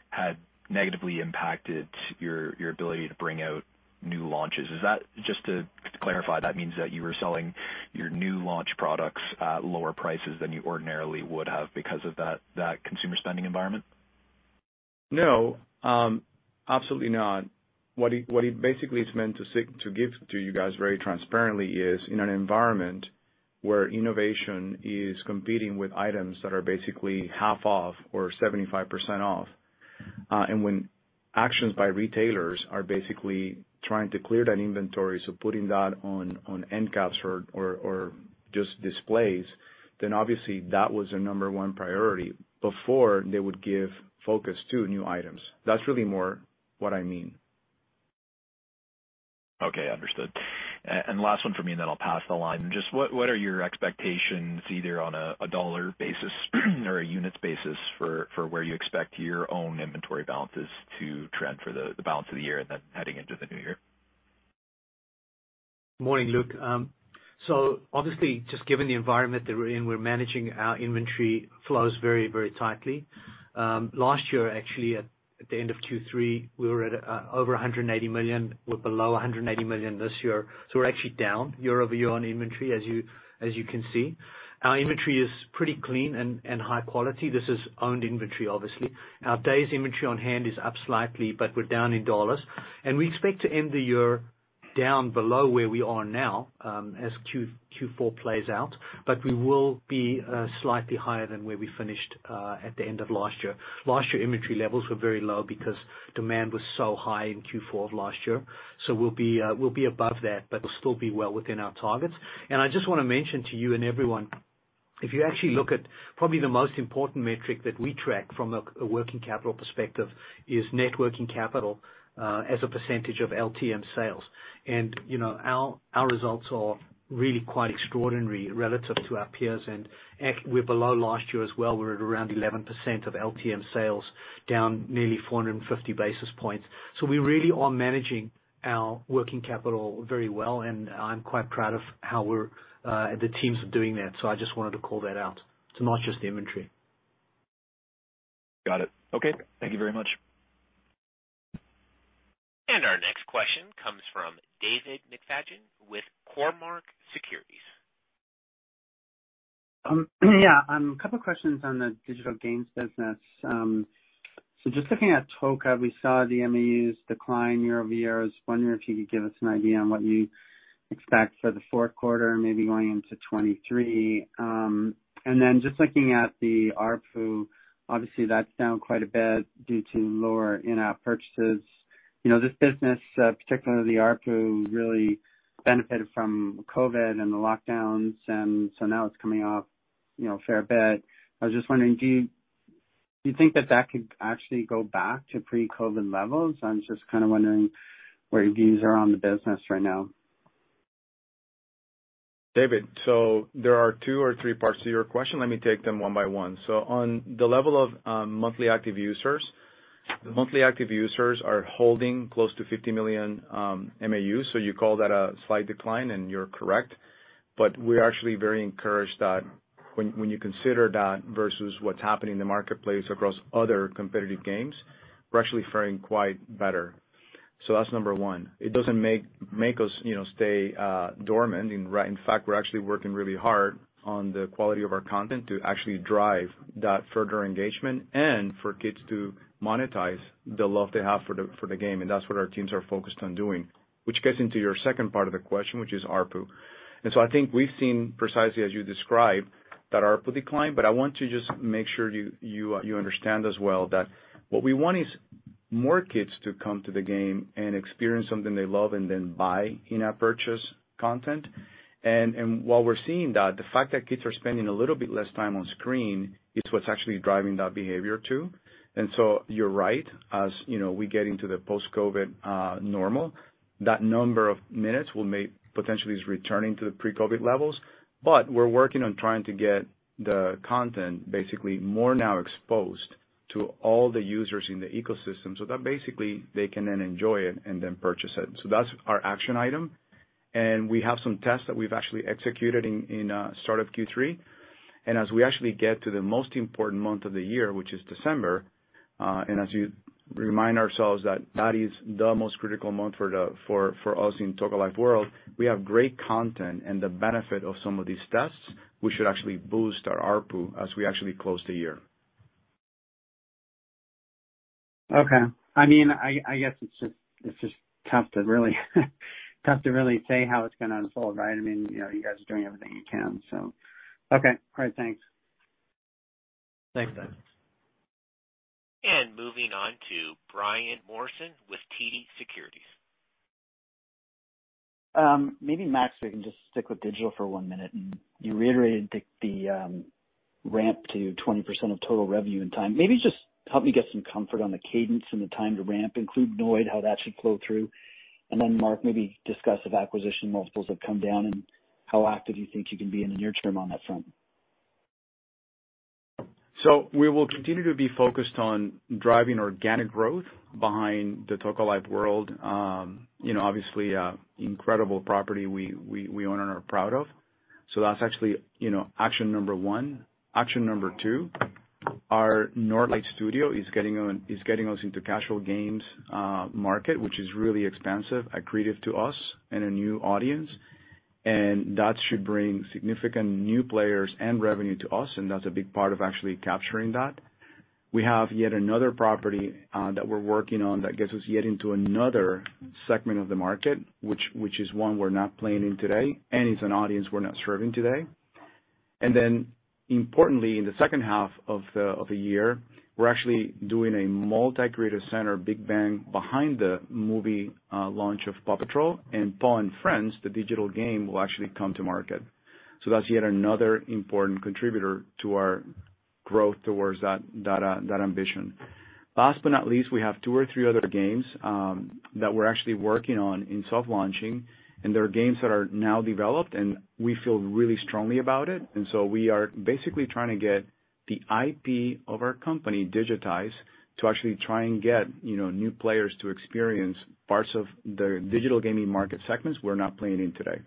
had negatively impacted your ability to bring out new launches. Is that? Just to clarify, that means that you were selling your new launch products at lower prices than you ordinarily would have because of that consumer spending environment? No, absolutely not. What it basically is meant to give to you guys very transparently is in an environment where innovation is competing with items that are basically half off or 75% off, and when actions by retailers are basically trying to clear that inventory, so putting that on end caps or just displays, then obviously that was a number one priority before they would give focus to new items. That's really more what I mean. Okay. Understood. Last one for me, and then I'll pass the line. Just what are your expectations either on a dollar basis or a units basis for where you expect your own inventory balances to trend for the balance of the year and then heading into the new year? Morning, Luke. Obviously just given the environment that we're in, we're managing our inventory flows very, very tightly. Last year, actually at the end of Q3, we were at over $180 million. We're below $180 million this year. We're actually down year-over-year on inventory as you can see. Our inventory is pretty clean and high quality. This is owned inventory, obviously. Our days inventory on hand is up slightly, but we're down in dollars. We expect to end the year down below where we are now, as Q4 plays out. We will be slightly higher than where we finished at the end of last year. Last year, inventory levels were very low because demand was so high in Q4 of last year. We'll be above that, but we'll still be well within our targets. I just wanna mention to you and everyone, if you actually look at probably the most important metric that we track from a working capital perspective is net working capital, as a percentage of LTM sales. You know, our results are really quite extraordinary relative to our peers. We're below last year as well. We're at around 11% of LTM sales, down nearly 450 basis points. We really are managing our working capital very well, and I'm quite proud of how the teams are doing that. I just wanted to call that out. It's not just the inventory. Got it. Okay. Thank you very much. Our next question comes from David McFadgen with Cormark Securities. Yeah. A couple questions on the digital games business. Just looking at Toca, we saw the MAUs decline year-over-year. I was wondering if you could give us an idea on what you expect for the fourth quarter, maybe going into 2023. Then just looking at the ARPU, obviously that's down quite a bit due to lower in-app purchases. You know, this business, particularly the ARPU, really benefited from COVID and the lockdowns, and so now it's coming off, you know, a fair bit. I was just wondering, do you think that could actually go back to pre-COVID levels? I'm just kind of wondering where your views are on the business right now. David, there are two or three parts to your question. Let me take them one by one. On the level of monthly active users, the monthly active users are holding close to 50 million MAUs. You call that a slight decline, and you're correct. We're actually very encouraged that when you consider that versus what's happening in the marketplace across other competitive games, we're actually faring quite better. That's number one. It doesn't make us, you know, stay dormant. In fact, we're actually working really hard on the quality of our content to actually drive that further engagement and for kids to monetize the love they have for the game, and that's what our teams are focused on doing. Which gets into your second part of the question, which is ARPU. I think we've seen precisely as you described, that ARPU decline, but I want to just make sure you understand as well that what we want is more kids to come to the game and experience something they love and then buy in-app purchase content. While we're seeing that, the fact that kids are spending a little bit less time on screen is what's actually driving that behavior too. You're right. As you know, we get into the post-COVID normal, that number of minutes will potentially be returning to the pre-COVID levels. We're working on trying to get the content basically more now exposed to all the users in the ecosystem, so that basically they can then enjoy it and then purchase it. That's our action item. We have some tests that we've actually executed in start of Q3. As we actually get to the most important month of the year, which is December, and as you remind ourselves that that is the most critical month for us in Toca Life World, we have great content and the benefit of some of these tests, we should actually boost our ARPU as we actually close the year. Okay. I mean, I guess it's just tough to really say how it's gonna unfold, right? I mean, you know, you guys are doing everything you can, so. Okay. All right. Thanks. Thanks, David. Moving on to Brian Morrison with TD Securities. Maybe, Max, we can just stick with digital for one minute. You reiterated the ramp to 20% of total revenue and time. Maybe just help me get some comfort on the cadence and the time to ramp, include Nørdlight, how that should flow through. Then Mark, maybe discuss if acquisition multiples have come down and how active you think you can be in the near term on that front. We will continue to be focused on driving organic growth behind the Toca Life World. You know, obviously, incredible property we own and are proud of. That's actually, you know, action number one. Action number two, our Nørdlight studio is getting us into casual games market, which is really expansive and creative to us and a new audience. That should bring significant new players and revenue to us, and that's a big part of actually capturing that. We have yet another property that we're working on that gets us yet into another segment of the market, which is one we're not playing in today, and it's an audience we're not serving today. Importantly, in the second half of the year, we're actually doing a multi-creative center big bang behind the movie launch of PAW Patrol and PAW and Friends. The digital game will actually come to market. That's yet another important contributor to our growth towards that ambition. Last but not least, we have two or three other games that we're actually working on in soft launching, and they are games that are now developed, and we feel really strongly about it. We are basically trying to get the IP of our company digitized to actually try and get, you know, new players to experience parts of the digital gaming market segments we're not playing in today.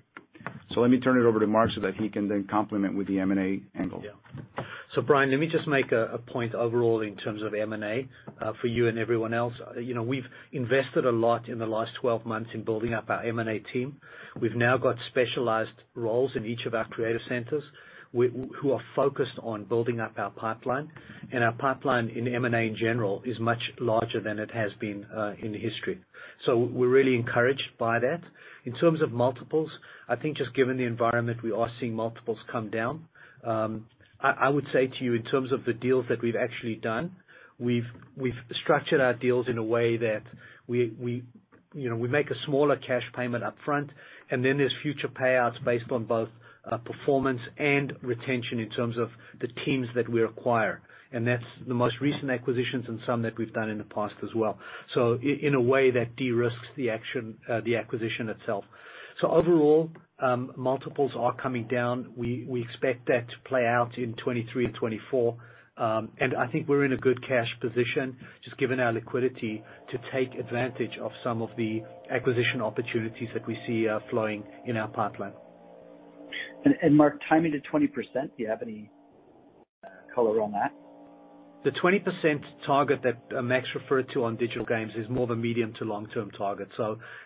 Let me turn it over to Mark so that he can then complement with the M&A angle. Yeah. Brian, let me just make a point overall in terms of M&A, for you and everyone else. You know, we've invested a lot in the last 12 months in building up our M&A team. We've now got specialized roles in each of our creative centers who are focused on building up our pipeline. Our pipeline in M&A in general is much larger than it has been in history. We're really encouraged by that. In terms of multiples, I think just given the environment, we are seeing multiples come down. I would say to you in terms of the deals that we've actually done, we've structured our deals in a way that we, you know, we make a smaller cash payment upfront, and then there's future payouts based on both, performance and retention in terms of the teams that we acquire. That's the most recent acquisitions and some that we've done in the past as well. In a way, that de-risks the acquisition itself. Overall, multiples are coming down. We expect that to play out in 2023 and 2024. I think we're in a good cash position, just given our liquidity to take advantage of some of the acquisition opportunities that we see flowing in our pipeline. Mark, timing to 20%, do you have any color on that? The 20% target that Max referred to on digital games is more the medium to long-term target.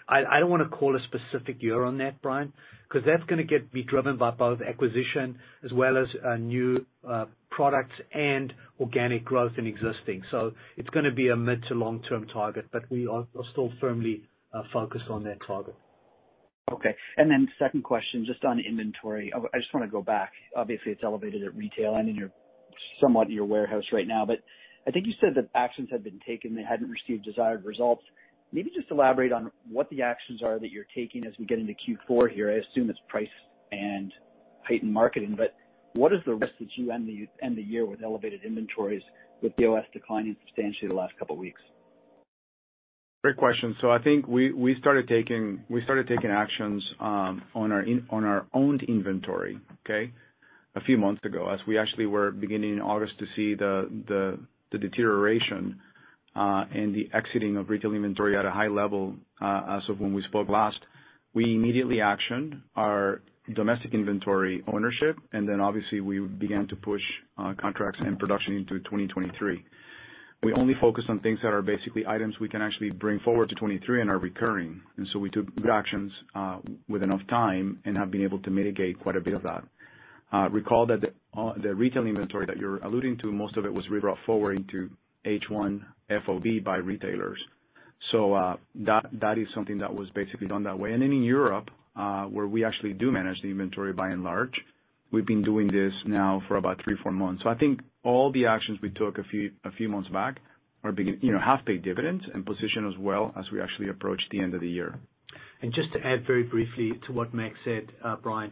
I don't wanna call a specific year on that, Brian, 'cause that's gonna be driven by both acquisition as well as new products and organic growth in existing. It's gonna be a mid to long-term target, but we are still firmly focused on that target. Okay. Second question, just on inventory. I just wanna go back. Obviously, it's elevated at retail and somewhat in your warehouse right now, but I think you said that actions had been taken that hadn't received desired results. Maybe just elaborate on what the actions are that you're taking as we get into Q4 here. I assume it's price and heightened marketing, but what is the risk that you end the year with elevated inventories with the POS declining substantially the last couple weeks? Great question. I think we started taking actions on our owned inventory, okay, a few months ago. We actually were beginning in August to see the deterioration and the exiting of retail inventory at a high level. As of when we spoke last, we immediately actioned our domestic inventory ownership, and then obviously we began to push contracts and production into 2023. We only focus on things that are basically items we can actually bring forward to 2023 and are recurring. We took good actions with enough time and have been able to mitigate quite a bit of that. Recall that the retail inventory that you're alluding to, most of it was rebrought forward into H1 FOB by retailers. That is something that was basically done that way. In Europe, where we actually do manage the inventory by and large, we've been doing this now for about 3-4 months. I think all the actions we took a few months back, you know, have paid dividends and position us well as we actually approach the end of the year. Just to add very briefly to what Max said, Brian,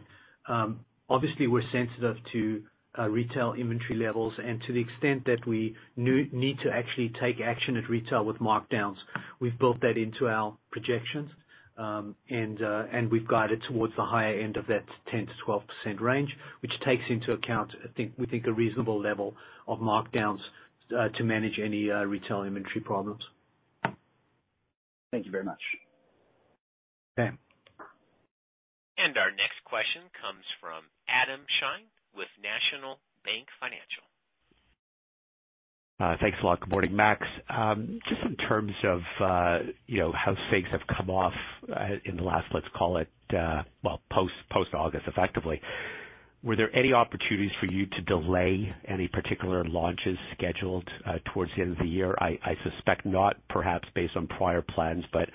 obviously we're sensitive to retail inventory levels and to the extent that we need to actually take action at retail with markdowns. We've built that into our projections, and we've guided towards the higher end of that 10%-12% range, which takes into account we think a reasonable level of markdowns to manage any retail inventory problems. Thank you very much. Okay. Our next question comes from Adam Shine with National Bank Financial. Thanks a lot. Good morning, Max. Just in terms of, you know, how things have come off, in the last, let's call it, well, post-August effectively, were there any opportunities for you to delay any particular launches scheduled, towards the end of the year? I suspect not perhaps based on prior plans, but,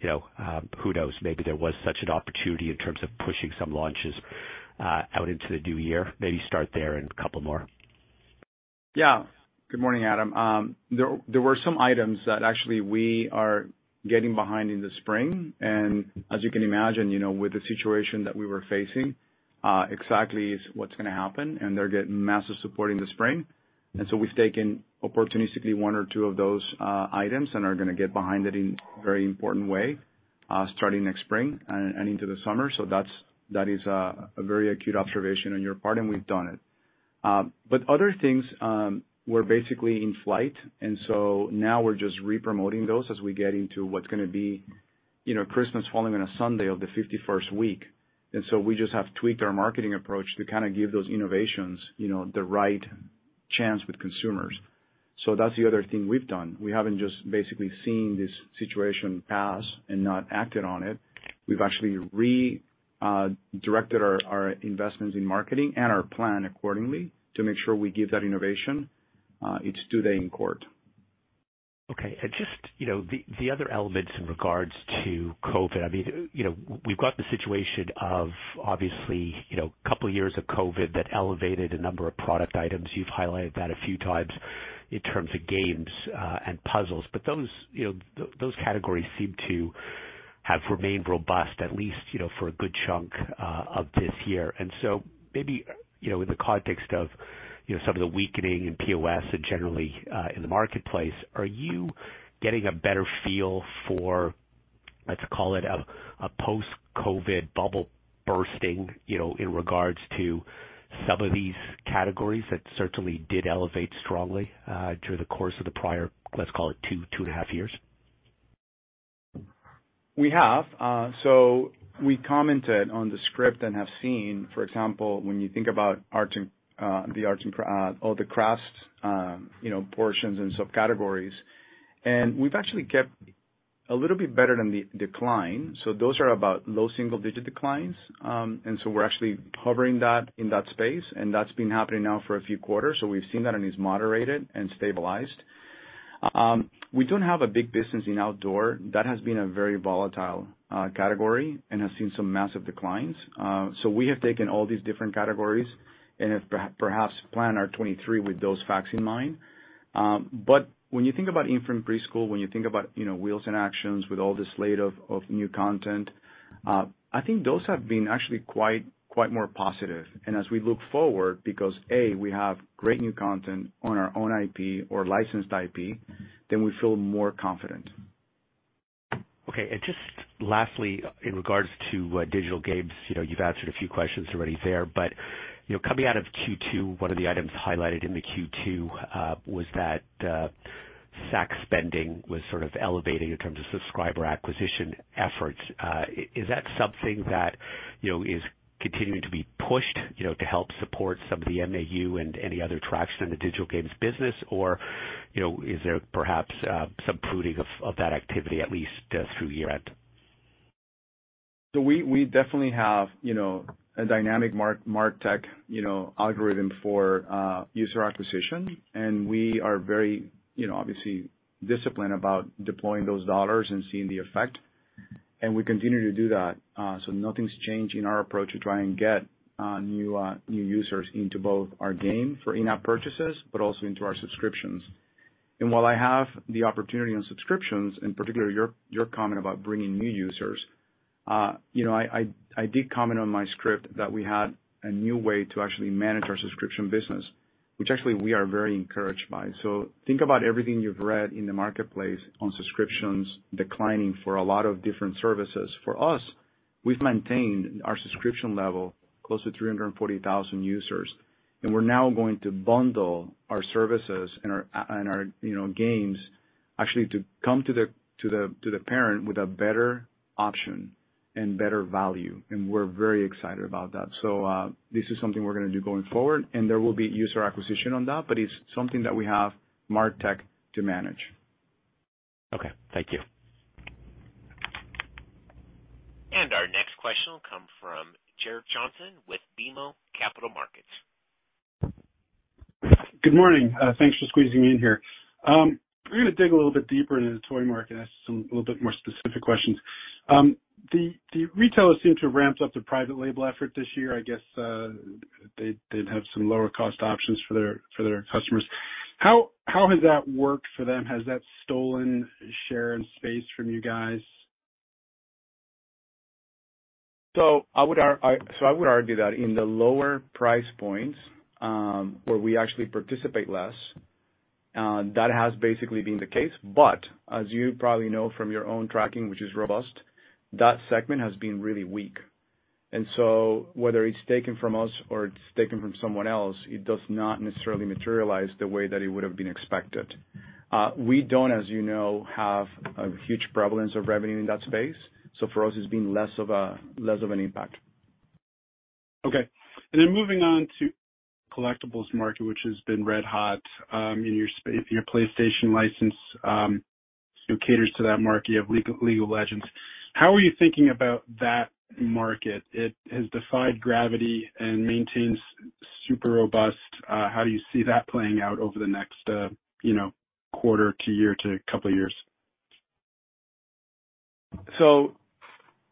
you know, who knows? Maybe there was such an opportunity in terms of pushing some launches, out into the new year. Maybe start there and a couple more. Yeah. Good morning, Adam. There were some items that actually we are getting behind in the spring. As you can imagine, you know, with the situation that we were facing, exactly is what's gonna happen, and they're getting massive support in the spring. We've taken opportunistically one or two of those items and are gonna get behind it in very important way, starting next spring and into the summer. That is a very acute observation on your part, and we've done it. Other things were basically in flight, and now we're just re-promoting those as we get into what's gonna be, you know, Christmas falling on a Sunday of the 51st week. We just have tweaked our marketing approach to kind of give those innovations, you know, the right chance with consumers. That's the other thing we've done. We haven't just basically seen this situation pass and not acted on it. We've actually directed our investments in marketing and our plan accordingly to make sure we give that innovation its due day in court. Okay. Just you know the other elements in regards to COVID. I mean you know we've got the situation of obviously you know a couple of years of COVID that elevated a number of product items. You've highlighted that a few times in terms of games and puzzles. Those you know categories seem to have remained robust at least you know for a good chunk of this year. Maybe you know in the context of you know some of the weakening in POS and generally in the marketplace are you getting a better feel for let's call it a post-COVID bubble bursting you know in regards to some of these categories that certainly did elevate strongly through the course of the prior let's call it two and a half years? We have. We commented on the script and have seen, for example, when you think about arts and all the crafts portions and subcategories, and we've actually kept a little bit better than the decline. Those are about low single digit declines. We're actually hovering that in that space. That's been happening now for a few quarters. We've seen that and it's moderated and stabilized. We don't have a big business in outdoor. That has been a very volatile category and has seen some massive declines. We have taken all these different categories and have perhaps planned our 2023 with those facts in mind. When you think about infant preschool, when you think about, you know, wheels and actions with all the slate of new content, I think those have been actually quite more positive. As we look forward, because A, we have great new content on our own IP or licensed IP, then we feel more confident. Okay. Just lastly, in regards to digital games, you know, you've answered a few questions already there, but you know, coming out of Q2, one of the items highlighted in the Q2 was that SAC spending was sort of elevating in terms of subscriber acquisition efforts. Is that something that, you know, is continuing to be pushed, you know, to help support some of the MAU and any other traction in the digital games business? Or, you know, is there perhaps some pruning of that activity at least through year end? We definitely have, you know, a dynamic martech algorithm for user acquisition. We are very, you know, obviously disciplined about deploying those dollars and seeing the effect, and we continue to do that. Nothing's changed in our approach to try and get new users into both our game for in-app purchases but also into our subscriptions. While I have the opportunity on subscriptions, in particular your comment about bringing new users, I did comment on my script that we had a new way to actually manage our subscription business, which actually we are very encouraged by. Think about everything you've read in the marketplace on subscriptions declining for a lot of different services. For us, we've maintained our subscription level close to 340,000 users, and we're now going to bundle our services and our you know games actually to come to the parent with a better option and better value. We're very excited about that. This is something we're going to do going forward, and there will be user acquisition on that, but it's something that we have martech to manage. Okay, thank you. Our next question will come from Garrett Johnson with BMO Capital Markets. Good morning. Thanks for squeezing me in here. I'm gonna dig a little bit deeper into the toy market. I have some little bit more specific questions. The retailers seem to have ramped up the private label effort this year. I guess, they did have some lower cost options for their customers. How has that worked for them? Has that stolen share and space from you guys? I would argue that in the lower price points, where we actually participate less, that has basically been the case. As you probably know from your own tracking, which is robust, that segment has been really weak. Whether it's taken from us or it's taken from someone else, it does not necessarily materialize the way that it would have been expected. We don't, as you know, have a huge prevalence of revenue in that space. For us, it's been less of an impact. Okay. Moving on to collectibles market, which has been red hot, in your space, your PlayStation license, caters to that market. You have League of Legends. How are you thinking about that market? It has defied gravity and maintains super robust. How do you see that playing out over the next, you know, quarter to year to couple of years?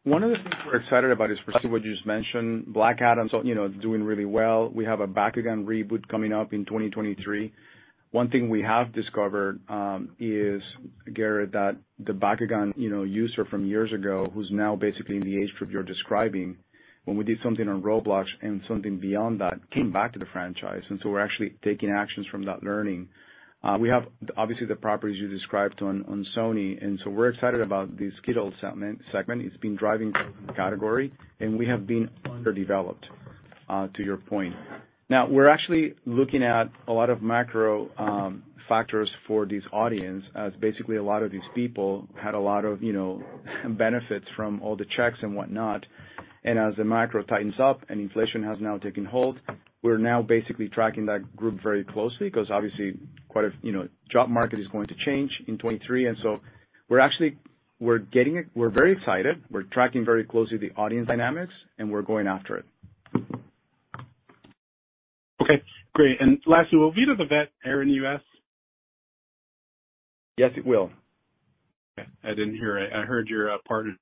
One of the things we're excited about is precisely what you just mentioned, Black Adam, so you know doing really well. We have a Bakugan reboot coming up in 2023. One thing we have discovered is Garrett that the Bakugan you know user from years ago who's now basically in the age group you're describing when we did something on Roblox and something beyond that came back to the franchise. We're actually taking actions from that learning. We have obviously the properties you described on Sony and we're excited about the collectibles segment. It's been driving category and we have been underdeveloped to your point. Now we're actually looking at a lot of macro factors for this audience as basically a lot of these people had a lot of you know benefits from all the checks and whatnot. As the macro tightens up and inflation has now taken hold, we're now basically tracking that group very closely 'cause obviously quite a, you know, job market is going to change in 2023. We're very excited. We're tracking very closely the audience dynamics, and we're going after it. Okay, great. Lastly, will Vida the Vet air in the U.S.? Yes, it will. Okay. I didn't hear it. I heard you're part of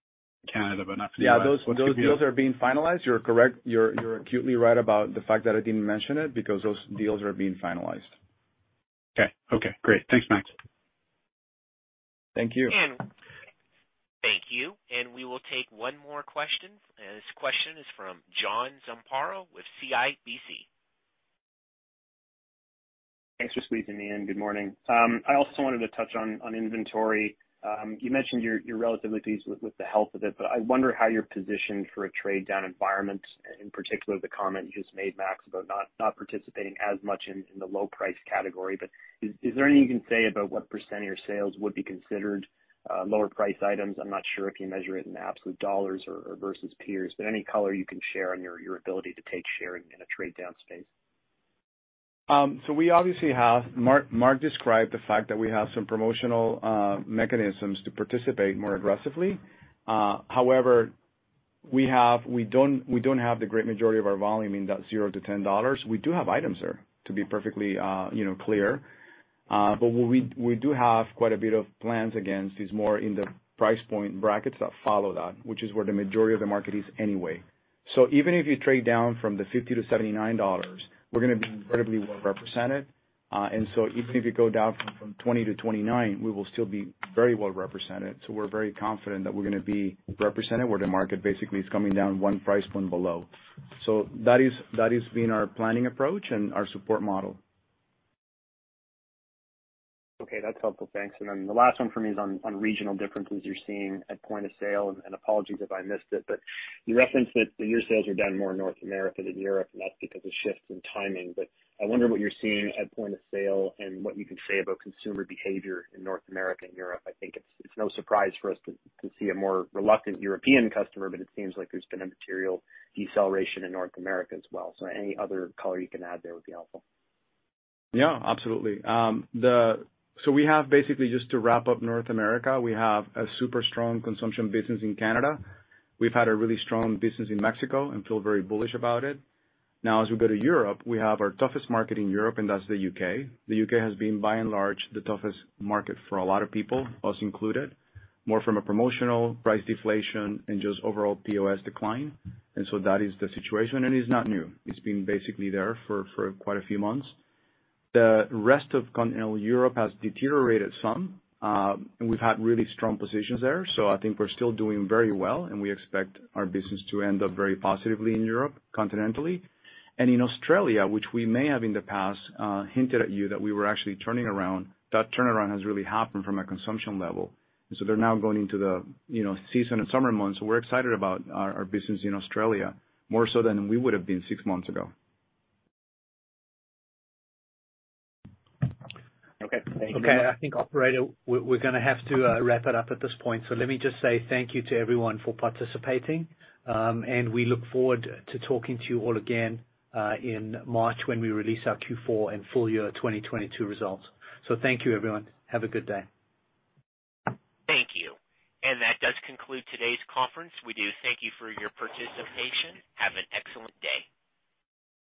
Canada, but not the U.S. Yeah. Those deals are being finalized. You're correct. You're absolutely right about the fact that I didn't mention it because those deals are being finalized. Okay. Okay, great. Thanks, Max. Thank you. Thank you. We will take one more question, and this question is from John Zamparo with CIBC. Thanks for squeezing me in. Good morning. I also wanted to touch on inventory. You mentioned you're relatively pleased with the health of it, but I wonder how you're positioned for a trade down environment, in particular the comment you just made, Max, about not participating as much in the low price category. Is there anything you can say about what percent of your sales would be considered lower price items? I'm not sure if you measure it in absolute dollars or versus peers, but any color you can share on your ability to take share in a trade down space. We obviously have Mark Segal described the fact that we have some promotional mechanisms to participate more aggressively. However, we don't have the great majority of our volume in that 0-$10. We do have items there, to be perfectly, you know, clear. But we do have quite a bit of plans against these more in the price point brackets that follow that, which is where the majority of the market is anyway. Even if you trade down from the 50-$79, we're gonna be incredibly well represented. Even if you go down from twenty to 20-29, we will still be very well represented. We're very confident that we're gonna be represented where the market basically is coming down one price point below. That has been our planning approach and our support model. Okay. That's helpful. Thanks. Then the last one for me is on regional differences you're seeing at point of sale. Apologies if I missed it, but you referenced that your sales are down more in North America than Europe, and that's because of shifts in timing. I wonder what you're seeing at point of sale and what you can say about consumer behavior in North America and Europe. I think it's no surprise for us to see a more reluctant European customer, but it seems like there's been a material deceleration in North America as well. Any other color you can add there would be helpful. Yeah, absolutely. We have basically just to wrap up North America, we have a super strong consumption business in Canada. We've had a really strong business in Mexico and feel very bullish about it. Now as we go to Europe, we have our toughest market in Europe, and that's the U.K. The U.K. has been by and large the toughest market for a lot of people, us included, more from a promotional price deflation and just overall POS decline. That is the situation, and it is not new. It's been basically there for quite a few months. The rest of continental Europe has deteriorated some. We've had really strong positions there. I think we're still doing very well, and we expect our business to end up very positively in Europe continentally. In Australia, which we may have in the past hinted at you that we were actually turning around, that turnaround has really happened from a consumption level. They're now going into the, you know, season and summer months. We're excited about our business in Australia more so than we would have been six months ago. Okay. Thank you. Okay. I think, operator, we're gonna have to wrap it up at this point. Let me just say thank you to everyone for participating, and we look forward to talking to you all again in March when we release our Q4 and full year 2022 results. Thank you, everyone. Have a good day. Thank you. That does conclude today's conference. We do thank you for your participation. Have an excellent day.